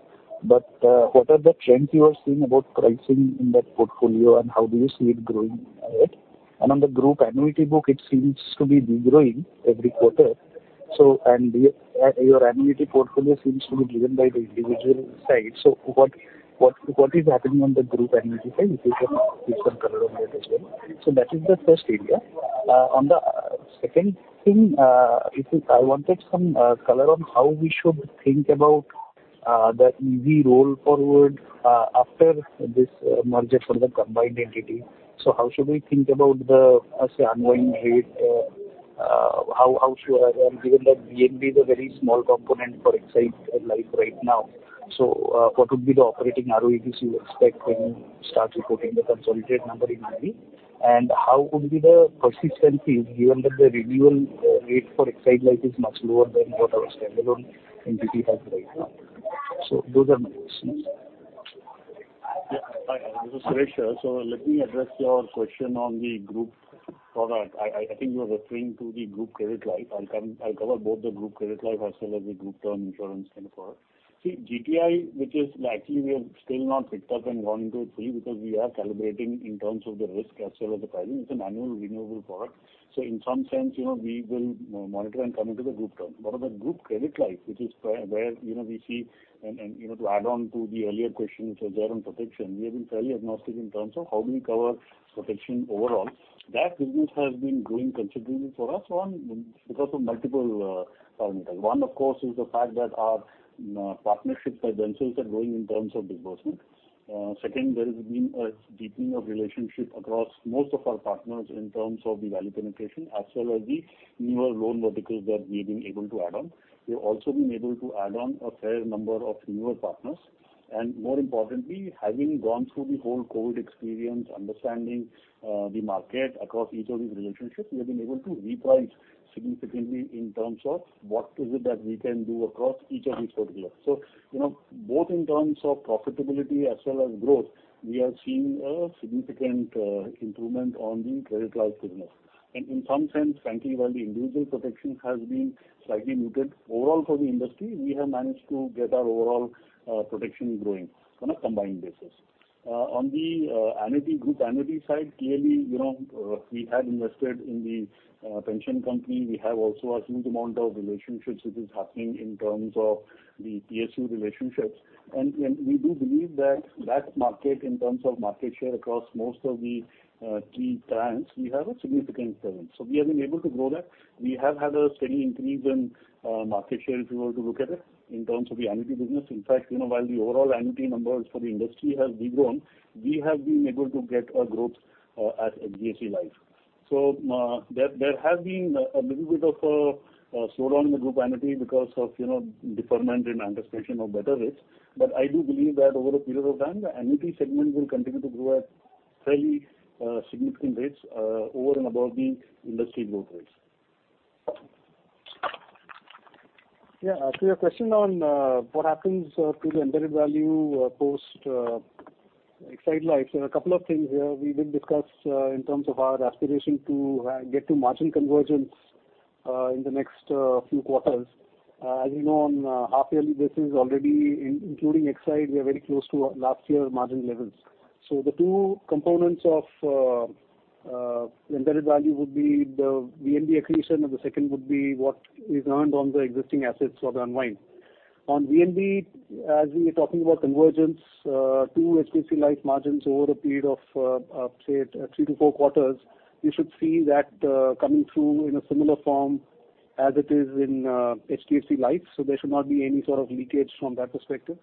but what are the trends you are seeing about pricing in that portfolio and how do you see it growing ahead? On the group annuity book, it seems to be degrowing every quarter. Your annuity portfolio seems to be driven by the individual side. What is happening on the group annuity side? If you can give some color on that as well. That is the first area. On the second thing, I wanted some color on how we should think about the EV roll forward after this merger for the combined entity. How should we think about the, say, unwind rate? How should I given that VNB is a very small component for Exide Life right now. What would be the operating ROEVs you expect when you start reporting the consolidated number in March? How could be the persistency given that the renewal rate for Exide Life is much lower than what our standalone entity has right now? Those are my questions. Yeah. Hi, this is Suresh here. Let me address your question on the group product. I think you are referring to the Group Credit Life. I'll cover both the Group Credit Life as well as the group term insurance kind of product. See, GTI, which is actually we have still not picked up and gone into it fully because we are calibrating in terms of the risk as well as the pricing. It's an annual renewable product. In some sense, you know, we will monitor and come into the group term. On the Group Credit Life, which is where you know, we see and you know, to add on to the earlier questions which are there on protection, we have been fairly agnostic in terms of how do we cover protection overall. That business has been growing considerably for us because of multiple fundamentals. One, of course, is the fact that our partnerships by themselves are growing in terms of disbursement. Second, there has been a deepening of relationship across most of our partners in terms of the value penetration as well as the newer loan verticals that we've been able to add on. We've also been able to add on a fair number of newer partners, and more importantly, having gone through the whole COVID experience, understanding the market across each of these relationships, we have been able to reprice significantly in terms of what is it that we can do across each of these verticals. You know, both in terms of profitability as well as growth, we are seeing a significant improvement on the Credit Life business. In some sense, frankly, while the individual protection has been slightly muted overall for the industry, we have managed to get our overall, protection growing on a combined basis. On the, annuity, group annuity side, clearly, you know, we had invested in the, pension company. We have also a huge amount of relationships which is happening in terms of The PSU relationships. We do believe that market in terms of market share across most of the key plans, we have a significant presence. So we have been able to grow that. We have had a steady increase in market share if you were to look at it in terms of the annuity business. In fact, you know, while the overall annuity numbers for the industry have de-grown, we have been able to get a growth at HDFC Life. So there has been a little bit of a slowdown in the group annuity because of, you know, deferment and anticipation of better rates. But I do believe that over a period of time, the annuity segment will continue to grow at fairly significant rates over and above the industry growth rates. Yeah. To your question on, what happens, to the embedded value, post, Exide Life. A couple of things here. We did discuss, in terms of our aspiration to, get to margin convergence, in the next, few quarters. As you know, on a half yearly basis already including Exide we are very close to last year's margin levels. The two components of, the embedded value would be the VNB accretion, and the second would be what is earned on the existing assets for the unwind. On VNB, as we were talking about convergence, to HDFC Life margins over a period of, say three to four quarters, you should see that, coming through in a similar form as it is in, HDFC Life, so there should not be any sort of leakage from that perspective.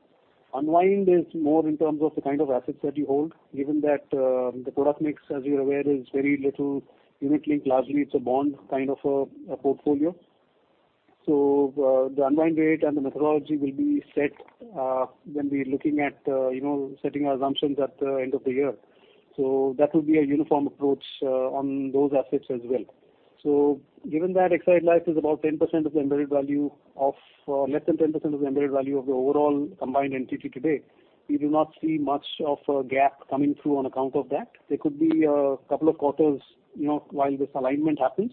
Unwind is more in terms of the kind of assets that you hold, given that, the product mix, as you're aware, is very little Unit Linked. Lastly, it's a bond kind of a portfolio. The unwind rate and the methodology will be set, when we're looking at, you know, setting our assumptions at the end of the year. That will be a uniform approach, on those assets as well. Given that Exide Life is about 10% of the Embedded Value, less than 10% of the Embedded Value of the overall combined entity today, we do not see much of a gap coming through on account of that. There could be a couple of quarters, you know, while this alignment happens.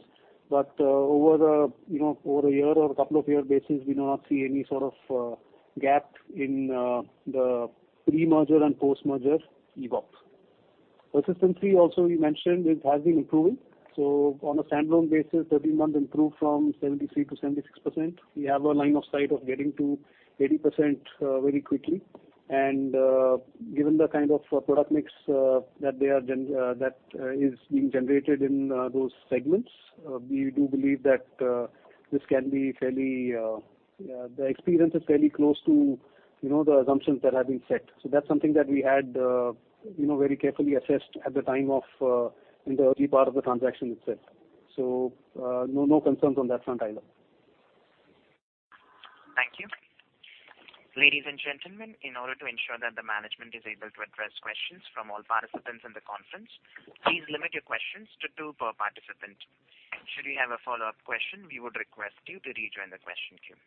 Over the, you know, over a year or a couple of years basis, we do not see any sort of gap in the pre-merger and post-merger EVOPs. Persistence, we also mentioned it has been improving. On a standalone basis, 13 months improved from 73%-76%. We have a line of sight of getting to 80% very quickly. Given the kind of product mix that they are that is being generated in those segments, we do believe that this can be fairly the experience is fairly close to, you know, the assumptions that have been set. That's something that we had, you know, very carefully assessed at the time of in the early part of the transaction itself. No concerns on that front either. Thank you. Ladies and gentlemen, in order to ensure that the management is able to address questions from all participants in the conference, please limit your questions to two per participant. Should you have a follow up question, we would request you to rejoin the question queue.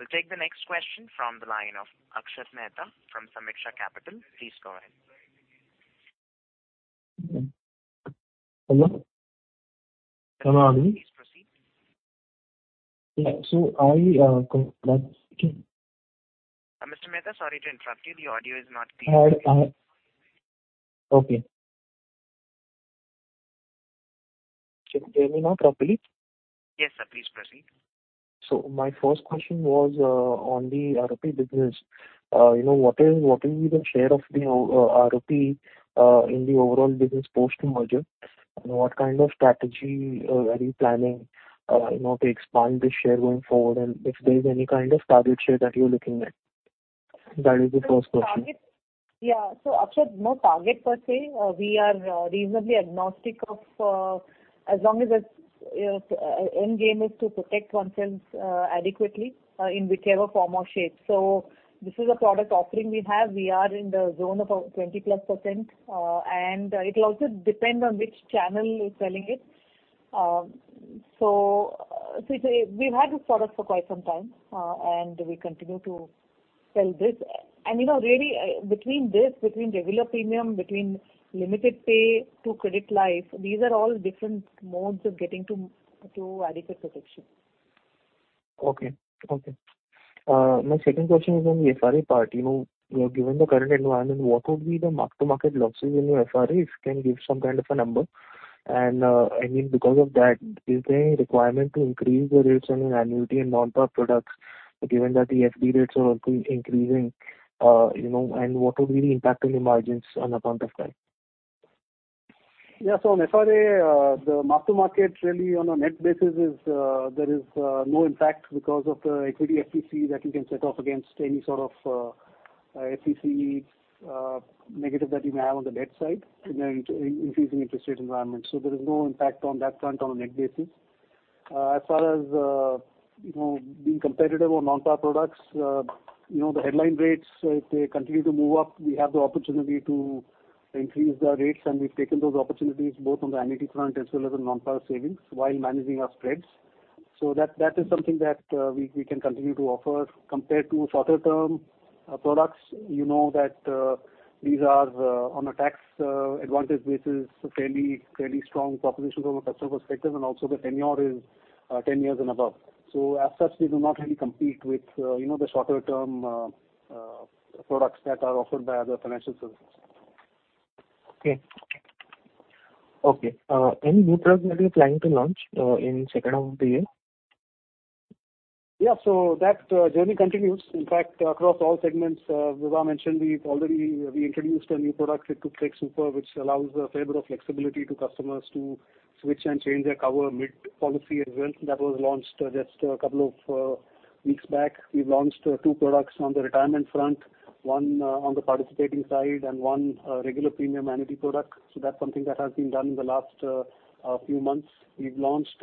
We'll take the next question from the line of Akshat Mehta from Sameeksha Capital. Please go ahead. Hello? Can you hear me? Please proceed. Yeah. I, Mr. Mehta, sorry to interrupt you. The audio is not clear. Okay. Can you hear me now properly? Yes, sir. Please proceed. My first question was on the ROP business. You know, what is the share of the ROP in the overall business post the merger? What kind of strategy are you planning, you know, to expand this share going forward? If there is any kind of target share that you're looking at? That is the first question. Target. Yeah. Akshat, no target per se. We are reasonably agnostic of, as long as it's end game is to protect oneself adequately in whichever form or shape. This is a product offering we have. We are in the zone of 20+% and it'll also depend on which channel is selling it. We've had this product for quite some time and we continue to sell this. You know, really, between this, between regular premium, between limited pay to credit life, these are all different modes of getting to adequate protection. My second question is on the FRA part. You know, given the current environment, what would be the mark to market losses in your FRAs? If you can give some kind of a number. I mean, because of that, is there any requirement to increase the rates on your annuity and non-participating products, given that the FD rates are also increasing, you know, and what would be the impact on your margins on account of that? Yeah. On FRA, the mark to market really on a net basis is, there is no impact because of the equity FTC that you can set off against any sort of FTC negative that you may have on the debt side in an increasing interest rate environment. There is no impact on that front on a net basis. As far as you know, being competitive on non participating products, you know, the headline rates, if they continue to move up, we have the opportunity to increase the rates, and we've taken those opportunities both on the annuity front as well as on non-participating savings while managing our spreads. That is something that we can continue to offer compared to shorter-term products. You know that these are on a tax advantage basis, fairly strong proposition from a customer perspective, and also the tenure is ten years and above. As such, we do not really compete with you know the shorter term products that are offered by other financial services. Okay, any new products that you're planning to launch in second half of the year? Yeah. That journey continues. In fact, across all segments, Vibha mentioned we introduced a new product with Click2Protect Super, which allows a fair bit of flexibility to customers to switch and change their cover mid policy as well. That was launched just a couple of weeks back. We've launched two products on the retirement front, one on the participating side and one regular premium annuity product. That's something that has been done in the last few months. We've launched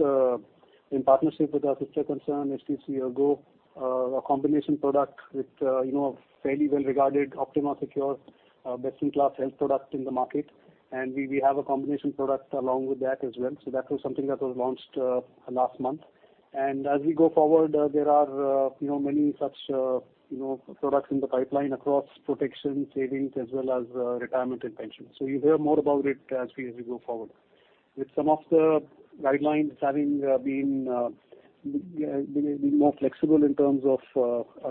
in partnership with our sister concern HDFC ERGO a combination product with, you know, a fairly well regarded Optima Secure, best in class health product in the market. We have a combination product along with that as well. That was something that was launched last month. As we go forward, there are, you know, many such products in the pipeline across protection, savings, as well as, retirement and pension. You'll hear more about it as we go forward. With some of the guidelines having been more flexible in terms of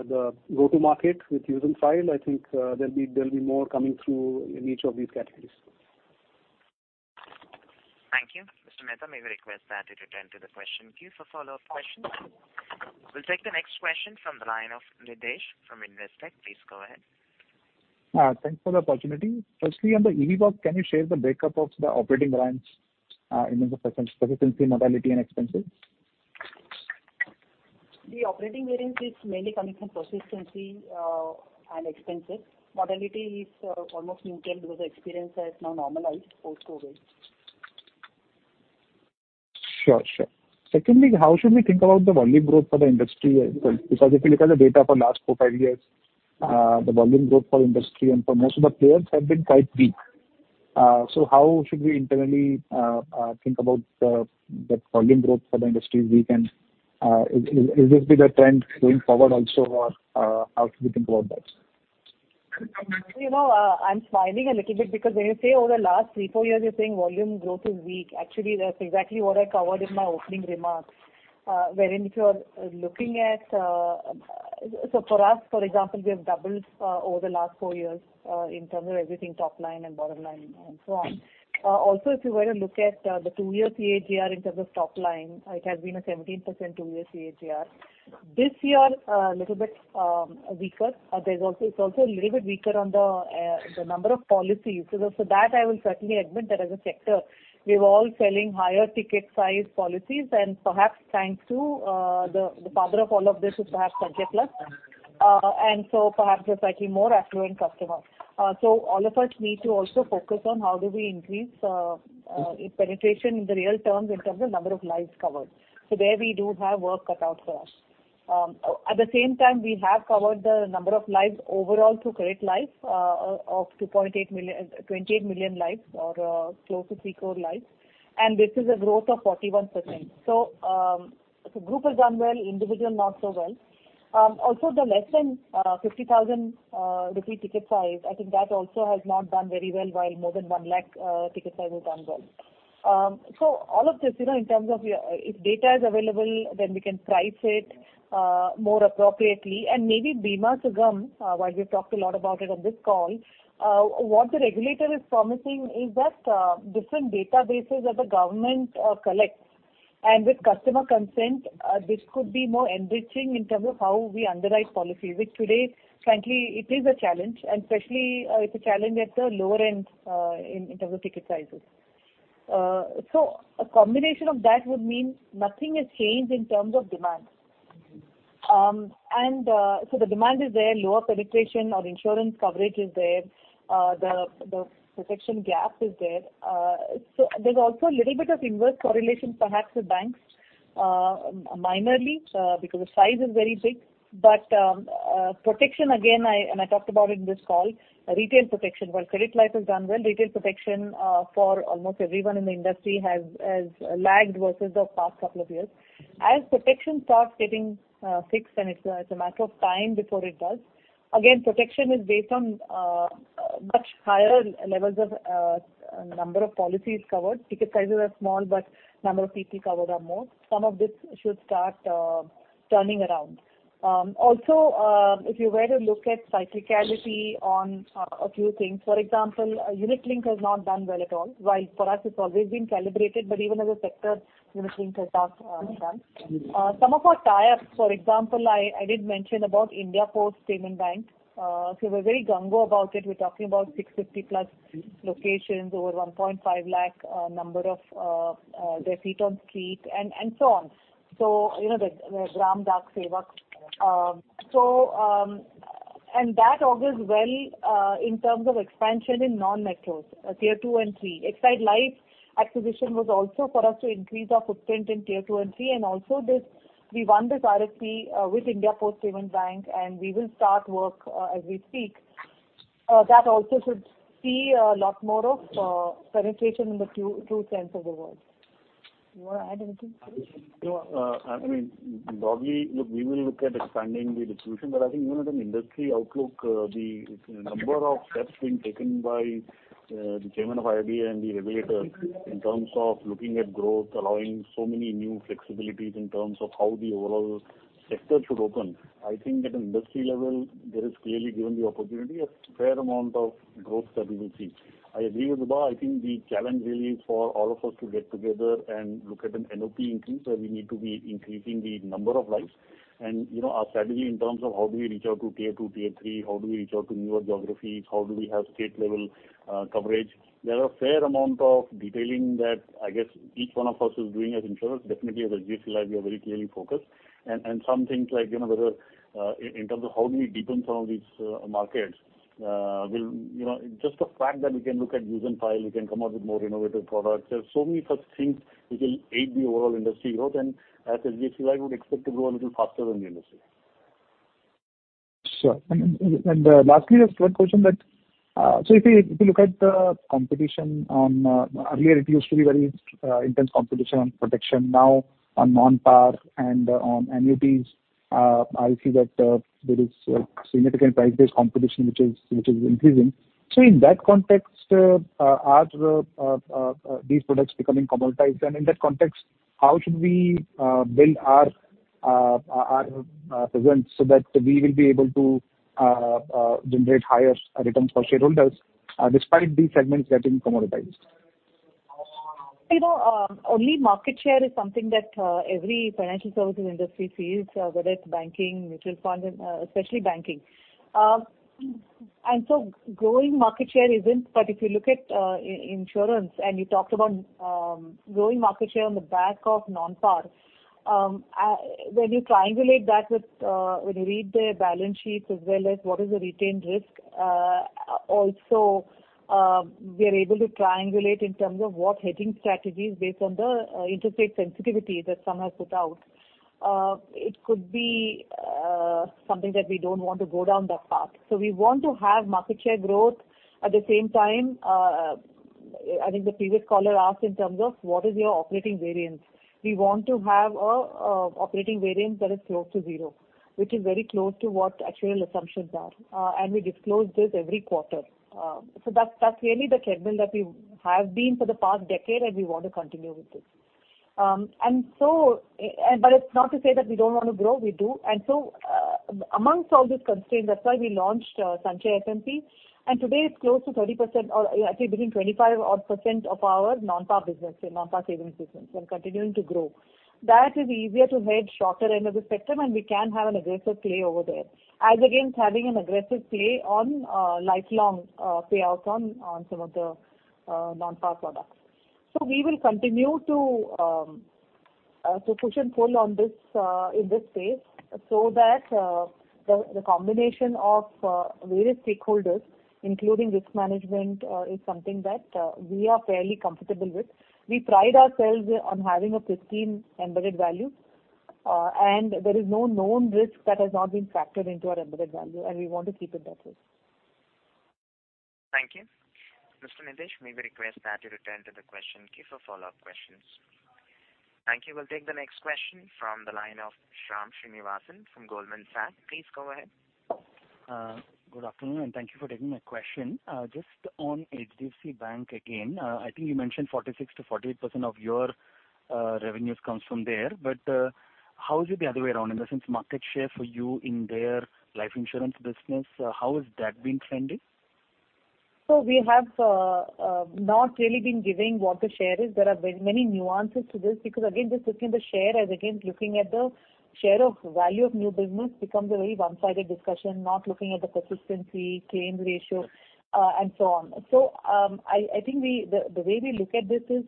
the go to market with Use and File, I think, there'll be more coming through in each of these categories. Thank you. Mr. Mehta, may we request that you return to the question queue for follow-up questions. We'll take the next question from the line of Ritesh from Investec. Please go ahead. Thanks for the opportunity. Firstly, under EVOP, can you share the break-up of the operating variance, in terms of persistency, mortality, and expenses? The operating variance is mainly coming from persistency, and expenses. Mortality is almost neutral because the experience has now normalized post-COVID. Sure. Secondly, how should we think about the volume growth for the industry as well? Because if you look at the data for last four-five years, the volume growth for industry and for most of the players have been quite weak. How should we internally think about the volume growth for the industry is weak and is this the trend going forward also or how should we think about that? You know, I'm smiling a little bit because when you say over the last three, four years, you're saying volume growth is weak. Actually, that's exactly what I covered in my opening remarks. Wherein if you're looking at. So for us, for example, we have doubled over the last four years in terms of everything top line and bottom line and so on. Also, if you were to look at the two-year CAGR in terms of top line, it has been a 17% two year CAGR. This year, a little bit weaker. There's also. It's also a little bit weaker on the number of policies. So that I will certainly admit that as a sector, we're all selling higher ticket size policies and perhaps thanks to the father of all of this is perhaps budget plus. Perhaps a slightly more affluent customer. All of us need to also focus on how do we increase penetration in the real terms in terms of number of lives covered. There we do have work cut out for us. At the same time, we have covered the number of lives overall through credit life of 28 million lives or close to three crore lives, and this is a growth of 41%. Group has done well, individual not so well. Also the less than 50,000 rupee ticket size, I think that also has not done very well, while more than 1 lakh ticket size has done well. All of this, you know, in terms of, if data is available, then we can price it more appropriately. Maybe Bima Sugam, while we've talked a lot about it on this call, what the regulator is promising is that, different databases that the government collects and with customer consent, this could be more enriching in terms of how we underwrite policies. Which today, frankly, it is a challenge, and especially, it's a challenge at the lower end, in terms of ticket sizes. A combination of that would mean nothing has changed in terms of demand. The demand is there, lower penetration or insurance coverage is there. The protection gap is there. There's also a little bit of inverse correlation perhaps with banks, minorly, because the size is very big. Protection again, I talked about it in this call, retail protection. While credit life has done well, retail protection for almost everyone in the industry has lagged versus the past couple of years. As protection starts getting fixed, and it's a matter of time before it does, again, protection is based on much higher levels of number of policies covered. Ticket sizes are small, but number of people covered are more. Some of this should start turning around. Also, if you were to look at cyclicality on a few things, for example, unit link has not done well at all. While for us it's always been calibrated, but even as a sector unit linked has not done. Some of our tie-ups, for example, I did mention about India Post Payments Bank. We're very gung-ho about it. We're talking about 650+ locations, over 1.5 lakh number of their feet on the street and so on. You know, the Gramin Dak Sevak. And that augurs well in terms of expansion in non-metros, tier two and three. Exide Life acquisition was also for us to increase our footprint in tier two and three. We won this RFP with India Post Payments Bank, and we will start work as we speak. That also should see a lot more of penetration in the true sense of the word. You want to add anything? No, I mean, broadly, look, we will look at expanding the distribution. I think even at an industry outlook, the number of steps being taken by the chairman of IBA and the regulator in terms of looking at growth, allowing so many new flexibilities in terms of how the overall sector should open. I think at an industry level, there is clearly given the opportunity, a fair amount of growth that we will see. I agree with Vibha. I think the challenge really is for all of us to get together and look at an NOP increase, where we need to be increasing the number of lives. You know, our strategy in terms of how do we reach out to tier two, tier three, how do we reach out to newer geographies, how do we have state level coverage. There are a fair amount of detailing that I guess each one of us is doing as insurers. Definitely as HDFC Life, we are very clearly focused. Some things like, you know, whether in terms of how do we deepen some of these markets, will you know, just the fact that we can look at Use and File, we can come out with more innovative products. There's so many such things which will aid the overall industry growth. As HDFC Life would expect to grow a little faster than the industry. Sure. Lastly, just one question that so if you look at the competition on, earlier it used to be very intense competition on protection. Now on non participating and on annuities, I see that there is a significant price based competition which is increasing. In that context, are these products becoming commoditized? In that context, how should we build our presence so that we will be able to generate higher returns for shareholders despite these segments getting commoditized? You know, only market share is something that every financial services industry sees, whether it's banking, mutual funds and especially banking. Growing market share isn't. If you look at insurance and you talked about growing market share on the back of non participating, when you triangulate that with when you read their balance sheets as well as what is the retained risk, also we are able to triangulate in terms of what hedging strategies based on the interest rate sensitivity that some have put out. It could be something that we don't want to go down that path. We want to have market share growth. At the same time, I think the previous caller asked in terms of what is your operating variance. We want to have an operating variance that is close to zero, which is very close to what actuarial assumptions are. We disclose this every quarter. That's really the treadmill that we have been for the past decade, and we want to continue with this. It's not to say that we don't want to grow. We do. Among all this constraint, that's why we launched Sanchay SMP, and today it's close to 30% or actually between 25 odd% of our non participating business, non participating savings business and continuing to grow. That is easier to hedge shorter end of the spectrum. We can have an aggressive play over there as against having an aggressive play on lifelong payouts on some of the non participating products. We will continue to push and pull on this in this space so that the combination of various stakeholders, including risk management, is something that we are fairly comfortable with. We pride ourselves on having a pristine Embedded Value, and there is no known risk that has not been factored into our Embedded Value, and we want to keep it that way. Thank you. Mr. Ritesh Kumar, may we request that you return to the question queue for follow-up questions. Thank you. We'll take the next question from the line of Shyam Srinivasan from Goldman Sachs. Please go ahead. Good afternoon, and thank you for taking my question. Just on HDFC Bank again, I think you mentioned 46%-48% of your revenues comes from there. How is it the other way around, in the sense market share for you in their life insurance business? How has that been trending? We have not really been giving what the share is. There are very many nuances to this because again, just looking the share as against looking at the share of value of new business becomes a very one sided discussion, not looking at the persistency claim ratio, and so on. I think the way we look at this is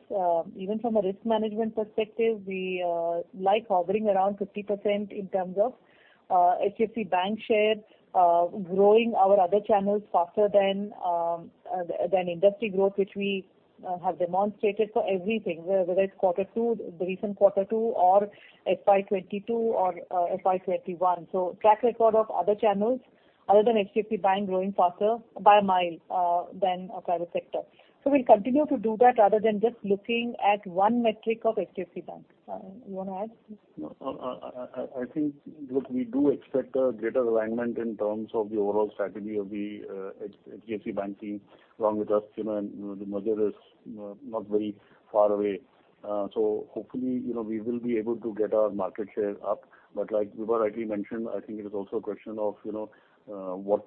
even from a risk management perspective, we like hovering around 50% in terms of HDFC Bank share, growing our other channels faster than industry growth, which we have demonstrated for everything, whether it's quarter two, the recent quarter two or FY22 or FY21. Track record of other channels other than HDFC Bank growing faster by a mile than private sector. We'll continue to do that rather than just looking at one metric of HDFC Bank. You want to add? No. I think, look, we do expect a greater alignment in terms of the overall strategy of the HDFC Bank team along with us, you know, and the merger is not very far away. Hopefully, you know, we will be able to get our market share up. But like Vibha rightly mentioned, I think it is also a question of, you know, what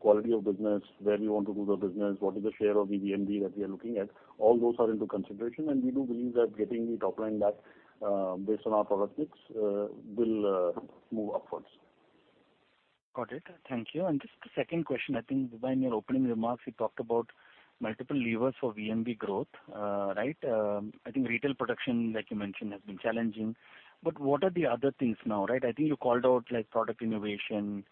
quality of business, where we want to do the business, what is the share of the VNB that we are looking at. All those are into consideration. We do believe that getting the top line back, based on our product mix, will move upwards. Got it. Thank you. Just a second question. I think, Vibha, in your opening remarks, you talked about multiple levers for VNB growth. Right? I think retail protection, like you mentioned, has been challenging. But what are the other things now, right? I think you called out like product innovation,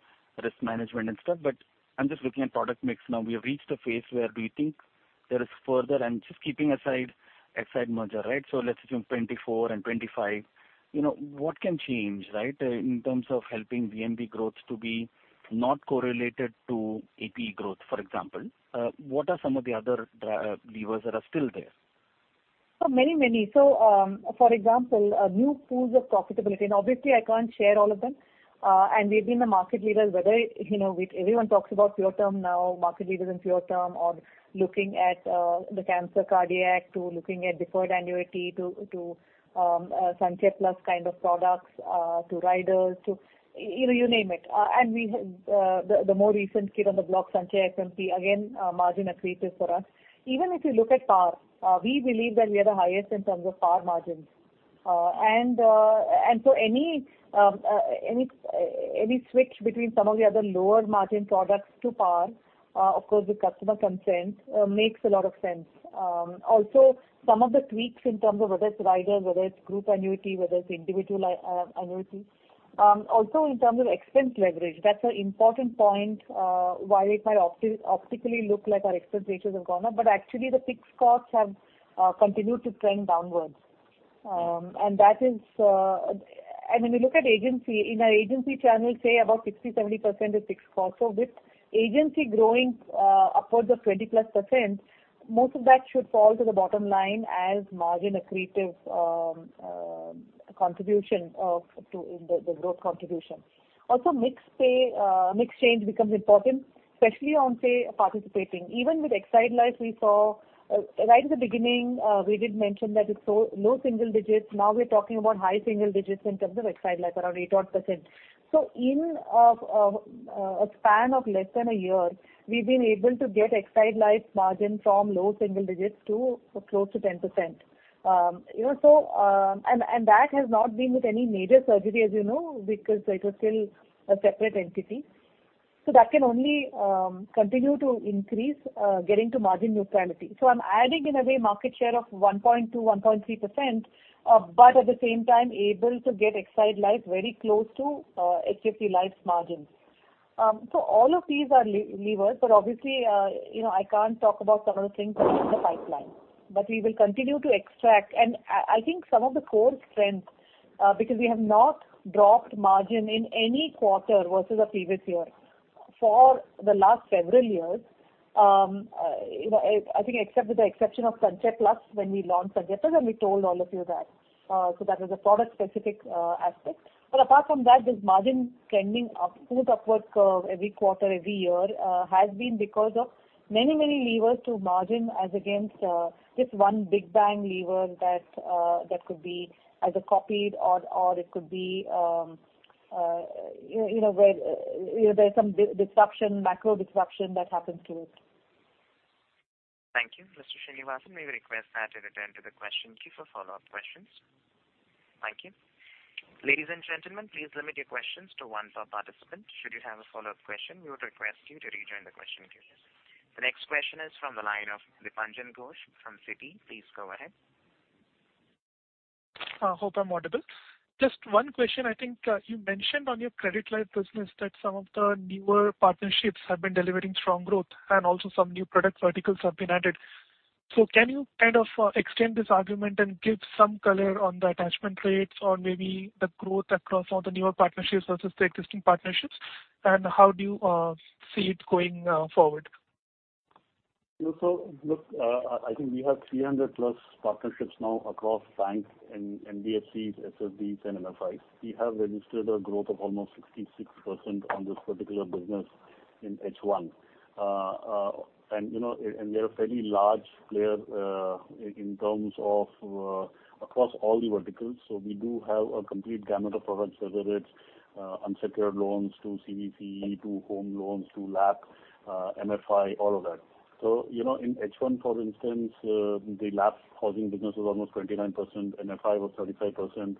risk management and stuff, but I'm just looking at product mix now. We have reached a phase where do you think there is further and just keeping aside HDFC merger, right? Let's assume 2024 and 2025. You know, what can change, right, in terms of helping VNB growth to be not correlated to APE growth, for example, what are some of the other levers that are still there? Many. For example, new pools of profitability and obviously I can't share all of them. We've been a market leader, whether you know, with everyone talks about pure term now, market leaders in pure term or looking at the cancer cardiac to looking at deferred annuity to Sanchay Plus kind of products to riders to you know, you name it. We have the more recent kid on the block, Sanchay SMP, again, margin accretive for us. Even if you look at PAR, we believe that we are the highest in terms of PAR margins. Any switch between some of the other lower margin products to PAR, of course with customer consent, makes a lot of sense. Also some of the tweaks in terms of whether it's riders, whether it's group annuity, whether it's individual annuity. Also in terms of expense leverage, that's an important point, why it might optically look like our expense ratios have gone up, but actually the fixed costs have continued to trend downwards. When we look at agency, in our agency channel, say about 60-70% is fixed cost. With agency growing upwards of 20+%, most of that should fall to the bottom line as margin accretive contribution to the growth contribution. Also mix change becomes important, especially on, say, participating. Even with Exide Life, we saw right in the beginning, we did mention that it's so low single digits. Now we're talking about high single digits in terms of Exide Life around 81%. In a span of less than a year, we've been able to get Exide Life margin from low single digits to close to 10%. You know, that has not been with any major surgery, as you know, because it was still a separate entity. That can only continue to increase, getting to margin neutrality. I'm adding in a way market share of 1.2-1.3%, but at the same time able to get Exide Life very close to HDFC Life's margins. All of these are levers, but obviously, you know, I can't talk about some of the things in the pipeline, but we will continue to extract. I think some of the core strengths, because we have not dropped margin in any quarter versus the previous year for the last several years, you know, I think except with the exception of Sanchay Plus when we launched Sanchay Plus, and we told all of you that. That was a product specific aspect. Apart from that, this margin trending up, good upward curve every quarter, every year, has been because of many, many levers to margin as against just one big bang lever that could be either copied or it could be, you know, where there's some disruption, macro disruption that happens to it. Thank you. Mr. Srinivasan, may we request that you return to the question queue for follow up questions? Thank you. Ladies and gentlemen, please limit your questions to one per participant. Should you have a follow up question, we would request you to rejoin the question queue. The next question is from the line of Dipanjan Ghosh from Citi. Please go ahead. Hope I'm audible. Just one question. I think you mentioned on your Credit Life business that some of the newer partnerships have been delivering strong growth and also some new product verticals have been added. Can you kind of extend this argument and give some color on the attachment rates or maybe the growth across all the newer partnerships versus the existing partnerships? How do you see it going forward? Look, I think we have 300+ partnerships now across banks and NBFCs, SFBs and MFIs. We have registered a growth of almost 66% on this particular business in H1. We are a fairly large player in terms of across all the verticals. We do have a complete gamut of products, whether it's unsecured loans to CV/CE to home loans to LAP, MFI, all of that. In H1, for instance, the LAP housing business was almost 29%. MFI was 35%.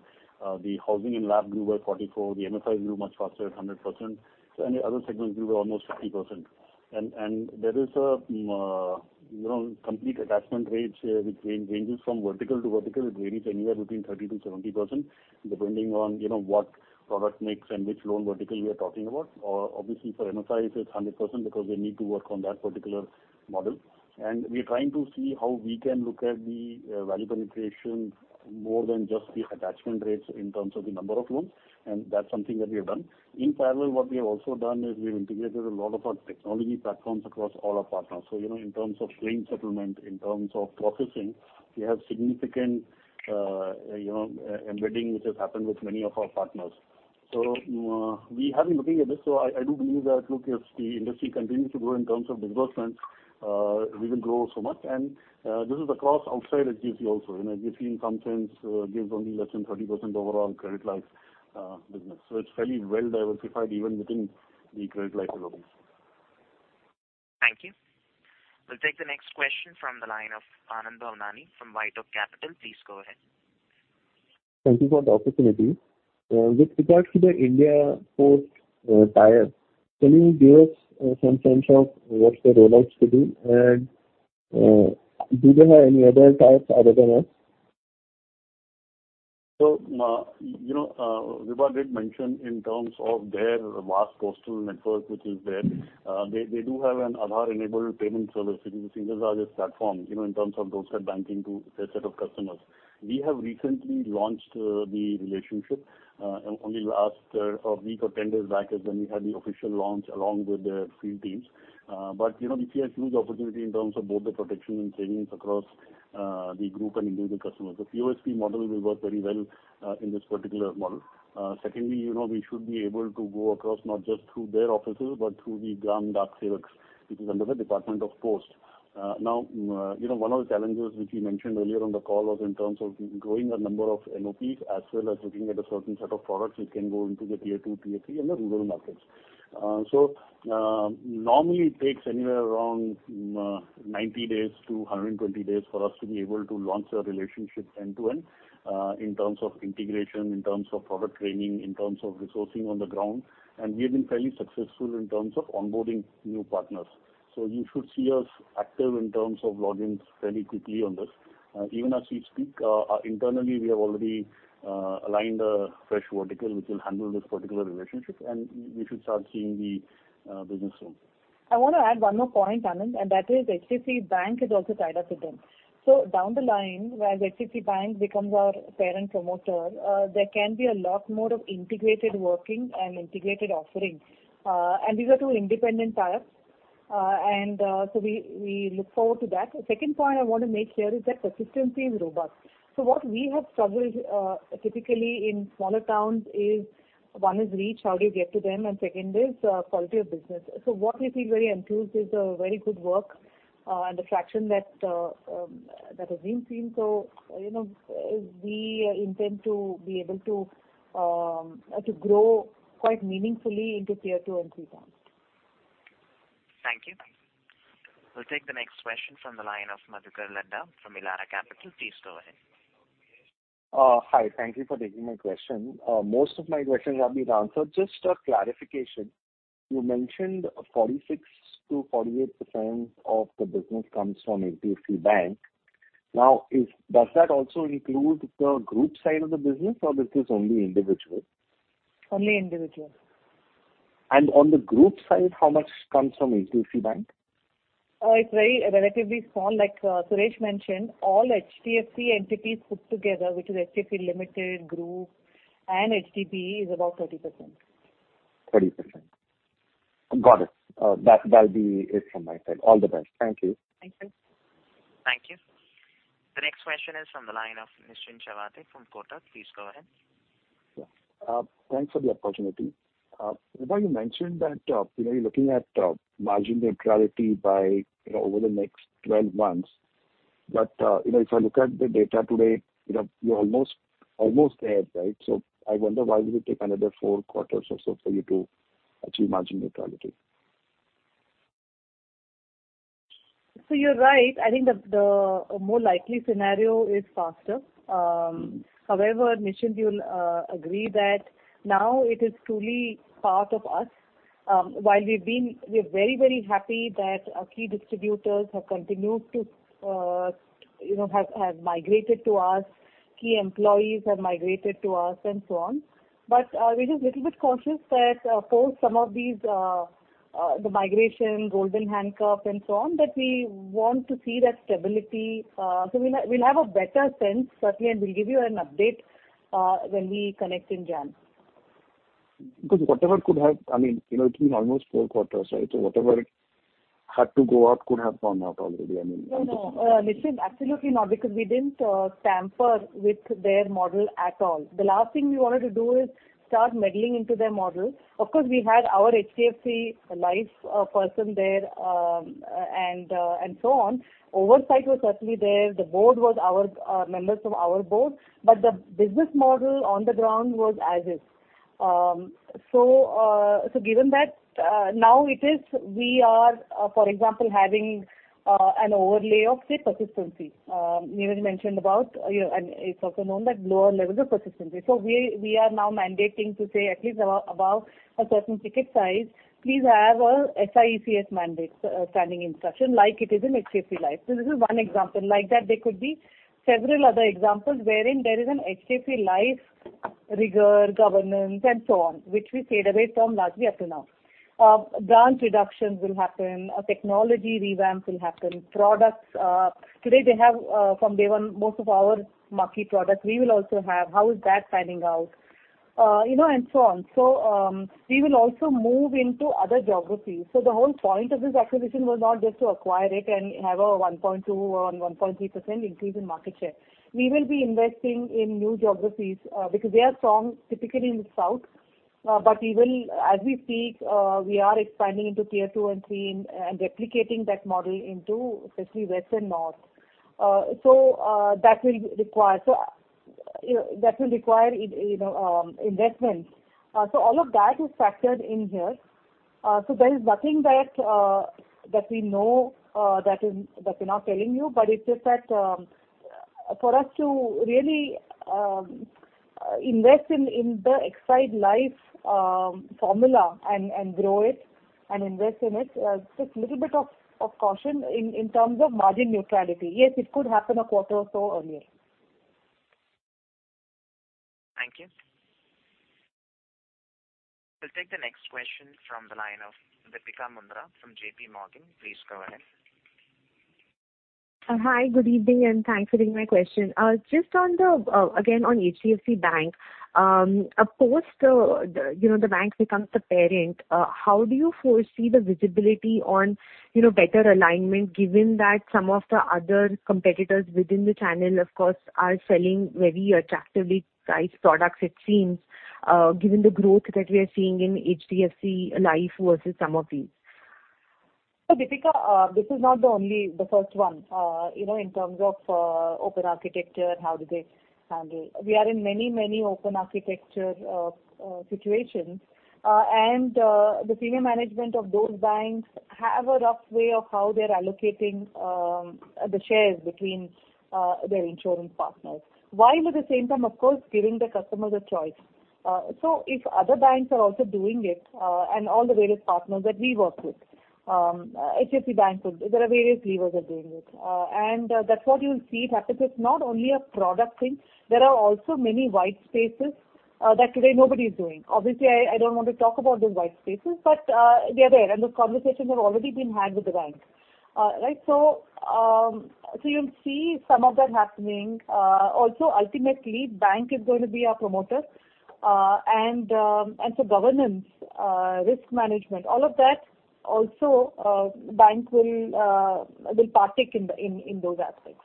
The housing and LAP grew by 44%. The MFIs grew much faster at 100%. Any other segments grew by almost 50%. There is a complete attachment rates which range from vertical to vertical. It varies anywhere between 30%-70%, depending on, you know, what product mix and which loan vertical we are talking about. Obviously for MFIs, it's 100% because we need to work on that particular model. We're trying to see how we can look at the value penetration more than just the attachment rates in terms of the number of loans. That's something that we have done. In parallel, what we have also done is we've integrated a lot of our technology platforms across all our partners. You know, in terms of claim settlement, in terms of processing, we have significant, you know, embedding which has happened with many of our partners. We have been looking at this. I do believe that, look, if the industry continues to grow in terms of disbursements, we will grow so much. This is across outside HDFC also. You know, HDFC in some sense gives only less than 30% overall Credit Life business. It's fairly well diversified even within the Credit Life business. Thank you. We'll take the next question from the line of Anand Bhavnani from White Oak Capital. Please go ahead. Thank you for the opportunity. With regards to the India Post tie-ups, can you give us some sense of what's the rollout status? Do they have any other tie-ups other than us? You know, Vibha did mention in terms of their vast postal network which is there, they do have an Aadhaar enabled payment service, which is the single largest platform, you know, in terms of doorstep banking to their set of customers. We have recently launched the relationship only last week or ten days back is when we had the official launch along with their field teams. You know, we see a huge opportunity in terms of both the protection and savings across the group and individual customers. The POSP model will work very well in this particular model. Secondly, you know, we should be able to go across not just through their offices, but through the Gramin Dak Sevaks, which is under the Department of Posts. Now, you know, one of the challenges which we mentioned earlier on the call was in terms of growing the number of NOPs, as well as looking at a certain set of products which can go into the tier two, tier three and the rural markets. Normally it takes anywhere around 90 days to 120 days for us to be able to launch a relationship end to end, in terms of integration, in terms of product training, in terms of resourcing on the ground. We have been fairly successful in terms of onboarding new partners. You should see us active in terms of logins fairly quickly on this. Even as we speak, internally we have already aligned a fresh vertical which will handle this particular relationship and you should start seeing the business soon. I want to add one more point, Anand, and that is HDFC Bank is also tied up with them. Down the line, where HDFC Bank becomes our parent promoter, there can be a lot more of integrated working and integrated offerings. These are two independent tiers. We look forward to that. The second point I want to make here is that persistency is robust. What we have struggled typically in smaller towns is one is reach, how do you get to them? Second is quality of business. What we feel very enthused is the very good work and the traction that has been seen. You know, we intend to be able to grow quite meaningfully into tier two and three towns. Thank you. We'll take the next question from the line of Madhukar Ladha from Elara Capital. Please go ahead. Hi. Thank you for taking my question. Most of my questions have been answered. Just a clarification. You mentioned 46%-48% of the business comes from HDFC Bank. Now, does that also include the group side of the business or this is only individual? Only individual. On the group side, how much comes from HDFC Bank? It's very relatively small. Like, Suresh mentioned, all HDFC entities put together, which is HDFC Group and HDB is about 30%. 30%. Got it. That'll be it from my side. All the best. Thank you. Thank you. Thank you. The next question is from the line of Nischint Chawathe from Kotak. Please go ahead. Thanks for the opportunity. Vibha, you mentioned that, you know, you're looking at margin neutrality by, you know, over the next 12 months. You know, if I look at the data today, you know, you're almost there, right? I wonder why it would take another four quarters or so for you to achieve margin neutrality? You're right. I think the more likely scenario is faster. However, Nischint, you'll agree that now it is truly part of us. While we're very, very happy that our key distributors have continued to, you know, have migrated to us, key employees have migrated to us and so on. We're just a little bit cautious that of course some of these, the migration, golden handcuff and so on, but we want to see that stability. We'll have a better sense certainly, and we'll give you an update when we connect in January. I mean, you know, it's been almost four quarters, right? Whatever had to go out could have gone out already, I mean. No, no. Nischint, absolutely not, because we didn't tamper with their model at all. The last thing we wanted to do is start meddling into their model. Of course, we had our HDFC Life person there, and so on. Oversight was certainly there. The board was our members from our board. The business model on the ground was as is. Given that, now it is we are, for example, having an overlay of, say, persistency. Niraj mentioned about, you know, and it's also known that lower levels of persistency. We are now mandating to say at least about a certain ticket size, please have a SI/ECS mandate, standing instruction like it is in HDFC Life. This is one example. Like that there could be several other examples wherein there is an HDFC Life rigor, governance and so on, which we stayed away from largely up till now. Branch reductions will happen. A technology revamp will happen. Products. Today they have, from day one most of our marquee products we will also have. How is that panning out? You know, and so on. We will also move into other geographies. The whole point of this acquisition was not just to acquire it and have a 1.2% or 1.3% increase in market share. We will be investing in new geographies, because they are strong typically in the South. We will, as we speak, we are expanding into Tier two and three and replicating that model into especially West and North. That will require investments. All of that is factored in here. There is nothing that we know that we're not telling you, but it's just that for us to really invest in the Exide Life formula and grow it and invest in it. Just little bit of caution in terms of margin neutrality. Yes, it could happen a quarter or so earlier. Thank you. We'll take the next question from the line of Deepika Mundra from J.P. Morgan. Please go ahead. Hi. Good evening, and thanks for taking my question. Just on the, again, on HDFC Bank. Post, the, you know, the bank becomes the parent, how do you foresee the visibility on, you know, better alignment given that some of the other competitors within the channel, of course, are selling very attractively priced products it seems, given the growth that we are seeing in HDFC Life versus some of these? Deepika, this is not only the first one. You know, in terms of open architecture, how do they handle. We are in many open architecture situations. The senior management of those banks have a rough way of how they're allocating the shares between their insurance partners. While at the same time, of course, giving the customers a choice. If other banks are also doing it, and all the various partners that we work with, HDFC Bank would. There are various levers are doing it. That's what you'll see happen. It's not only a product thing. There are also many white spaces that today nobody is doing. Obviously, I don't want to talk about those white spaces, but they are there and those conversations have already been had with the bank. Right. You'll see some of that happening. Also ultimately bank is going to be our promoter. Governance, risk management, all of that also, bank will partake in those aspects.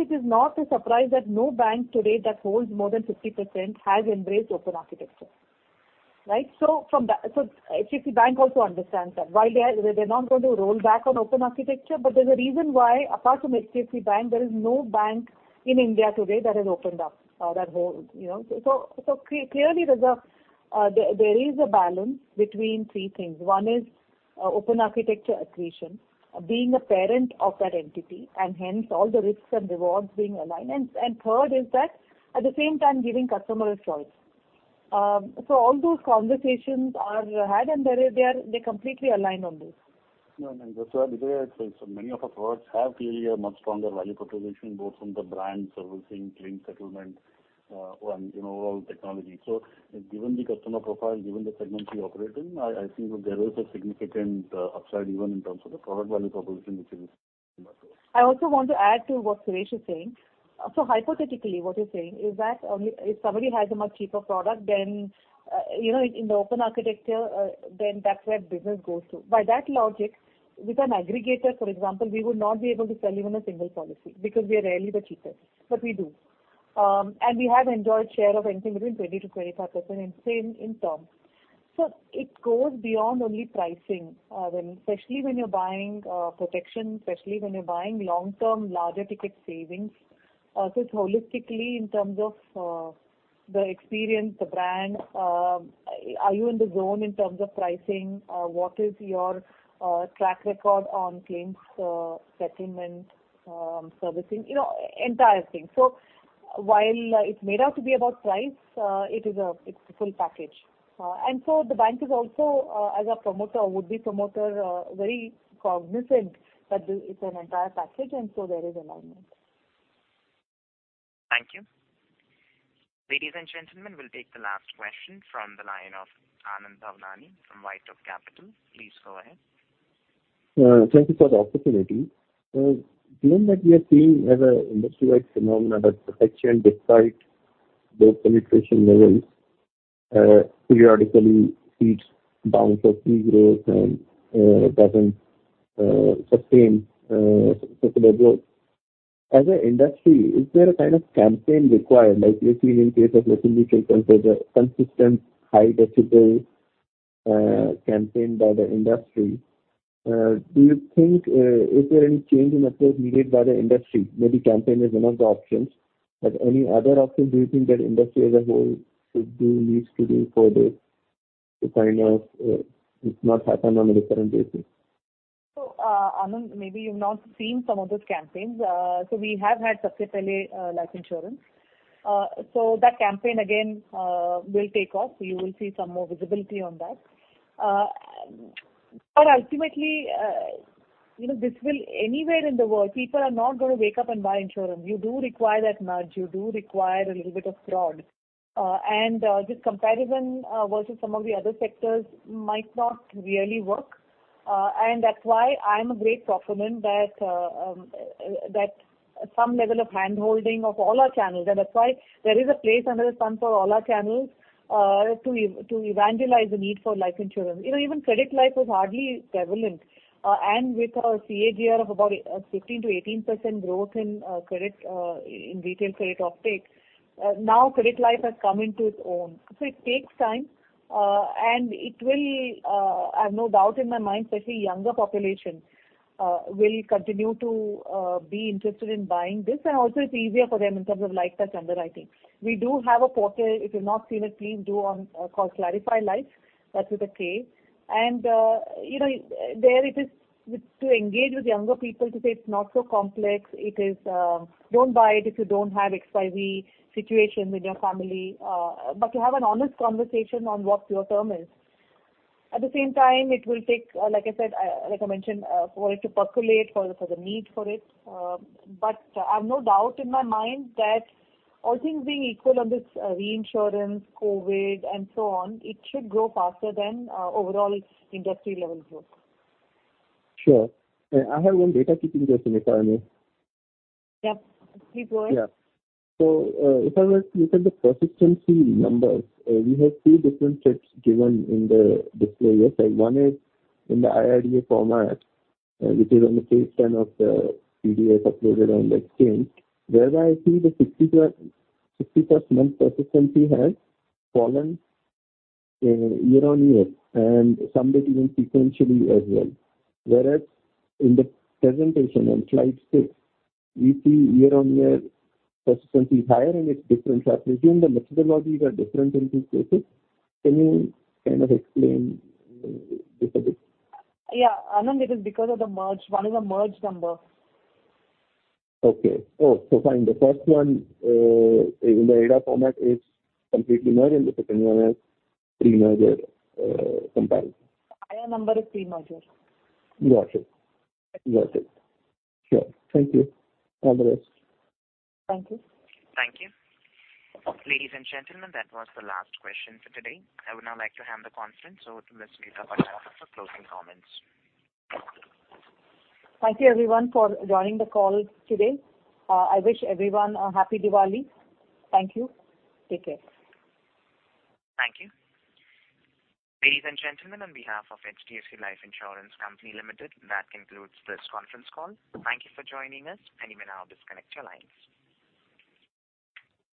It is not a surprise that no bank today that holds more than 50% has embraced open architecture. Right? HDFC Bank also understands that while they're not going to roll back on open architecture, but there's a reason why apart from HDFC Bank, there is no bank in India today that has opened up that whole, you know. Clearly there is a balance between three things. One is open architecture accretion, being a parent of that entity and hence all the risks and rewards being aligned. Third is that at the same time giving customers choice. All those conversations are had and they completely align on this. No, no. Just to add to that, so many of our products have clearly a much stronger value proposition, both from the brand servicing, claim settlement, and, you know, overall technology. Given the customer profile, given the segment we operate in, I feel there is a significant upside even in terms of the product value proposition which is much more. I also want to add to what Suresh is saying. Hypothetically, what he's saying is that only if somebody has a much cheaper product, then, you know, in the open architecture, then that's where business goes to. By that logic, with an aggregator for example, we would not be able to sell even a single policy because we are rarely the cheapest, but we do. We have enjoyed share of anything between 20-25% and same in term. It goes beyond only pricing, when especially you're buying protection, especially when you're buying long-term larger ticket savings. Holistically in terms of the experience, the brand, are you in the zone in terms of pricing? What is your track record on claims settlement, servicing? You know, entire thing. While it's made out to be about price, it's the full package. The bank is also, as a promoter, would-be promoter, very cognizant that this is an entire package, and so there is alignment. Thank you. Ladies and gentlemen, we'll take the last question from the line of Anand Bhavnani from White Oak Capital. Please go ahead. Thank you for the opportunity. Given that we are seeing as an industry-wide phenomenon that protection despite low penetration levels periodically sees bounce in VNB growth and doesn't sustain sustainable growth. As an industry, is there a kind of campaign required, like we're seeing in case of Anand, maybe you've not seen some of those campaigns. We have had Sabse Pehle Life Insurance. That campaign again will take off. You will see some more visibility on that. Ultimately, you know, this will anywhere in the world people are not gonna wake up and buy insurance. You do require that nudge. You do require a little bit of prod. This comparison versus some of the other sectors might not really work. That's why I'm a great proponent that some level of handholding of all our channels, and that's why there is a place under the sun for all our channels to evangelize the need for life insurance. You know, even credit life was hardly prevalent. With a CAGR of about 15%-18% growth in retail credit offtake, now credit life has come into its own. It takes time. It will, I have no doubt in my mind, especially younger population, will continue to be interested in buying this. Also, it's easier for them in terms of light touch underwriting. We do have a portal. If you've not seen it, please do. Called Click 2 Buy. That's with a K. You know, there it is meant to engage with younger people to say it's not so complex. It is. Don't buy it if you don't have XYZ situation with your family. To have an honest conversation on what pure term is. At the same time, it will take, like I said, like I mentioned, for it to percolate for the need for it. I have no doubt in my mind that all things being equal on this reinsurance, COVID, and so on, it should grow faster than overall industry level growth. Sure. I have one housekeeping question, if I may. Yep. Please go ahead. Yeah. If I were to look at the persistency numbers, we have two different sets given in the display. Yes. Like one is in the IRDAI format, which is on page ten of the PDF uploaded on the exchange. Whereas I see the 60+ month persistency has fallen year-on-year and somewhat even sequentially as well. Whereas in the presentation on slide six, we see year-on-year persistency is higher and it's different. I presume the methodologies are different in these cases. Can you kind of explain this a bit? Yeah. Anand, it is because of the merger. One is a merged number. Okay. Oh, so fine. The first one in the IRDAI format is completely merged, and the second one is pre-merger comparison. Higher number is pre-merger. Got it. Sure. Thank you. All the best. Thank you. Thank you. Ladies and gentlemen, that was the last question for today. I would now like to hand the conference over to Ms. Vibha Padalkar for closing comments. Thank you everyone for joining the call today. I wish everyone a happy Diwali. Thank you. Take care. Thank you. Ladies and gentlemen, on behalf of HDFC Life Insurance Company Limited, that concludes this conference call. Thank you for joining us and you may now disconnect your lines.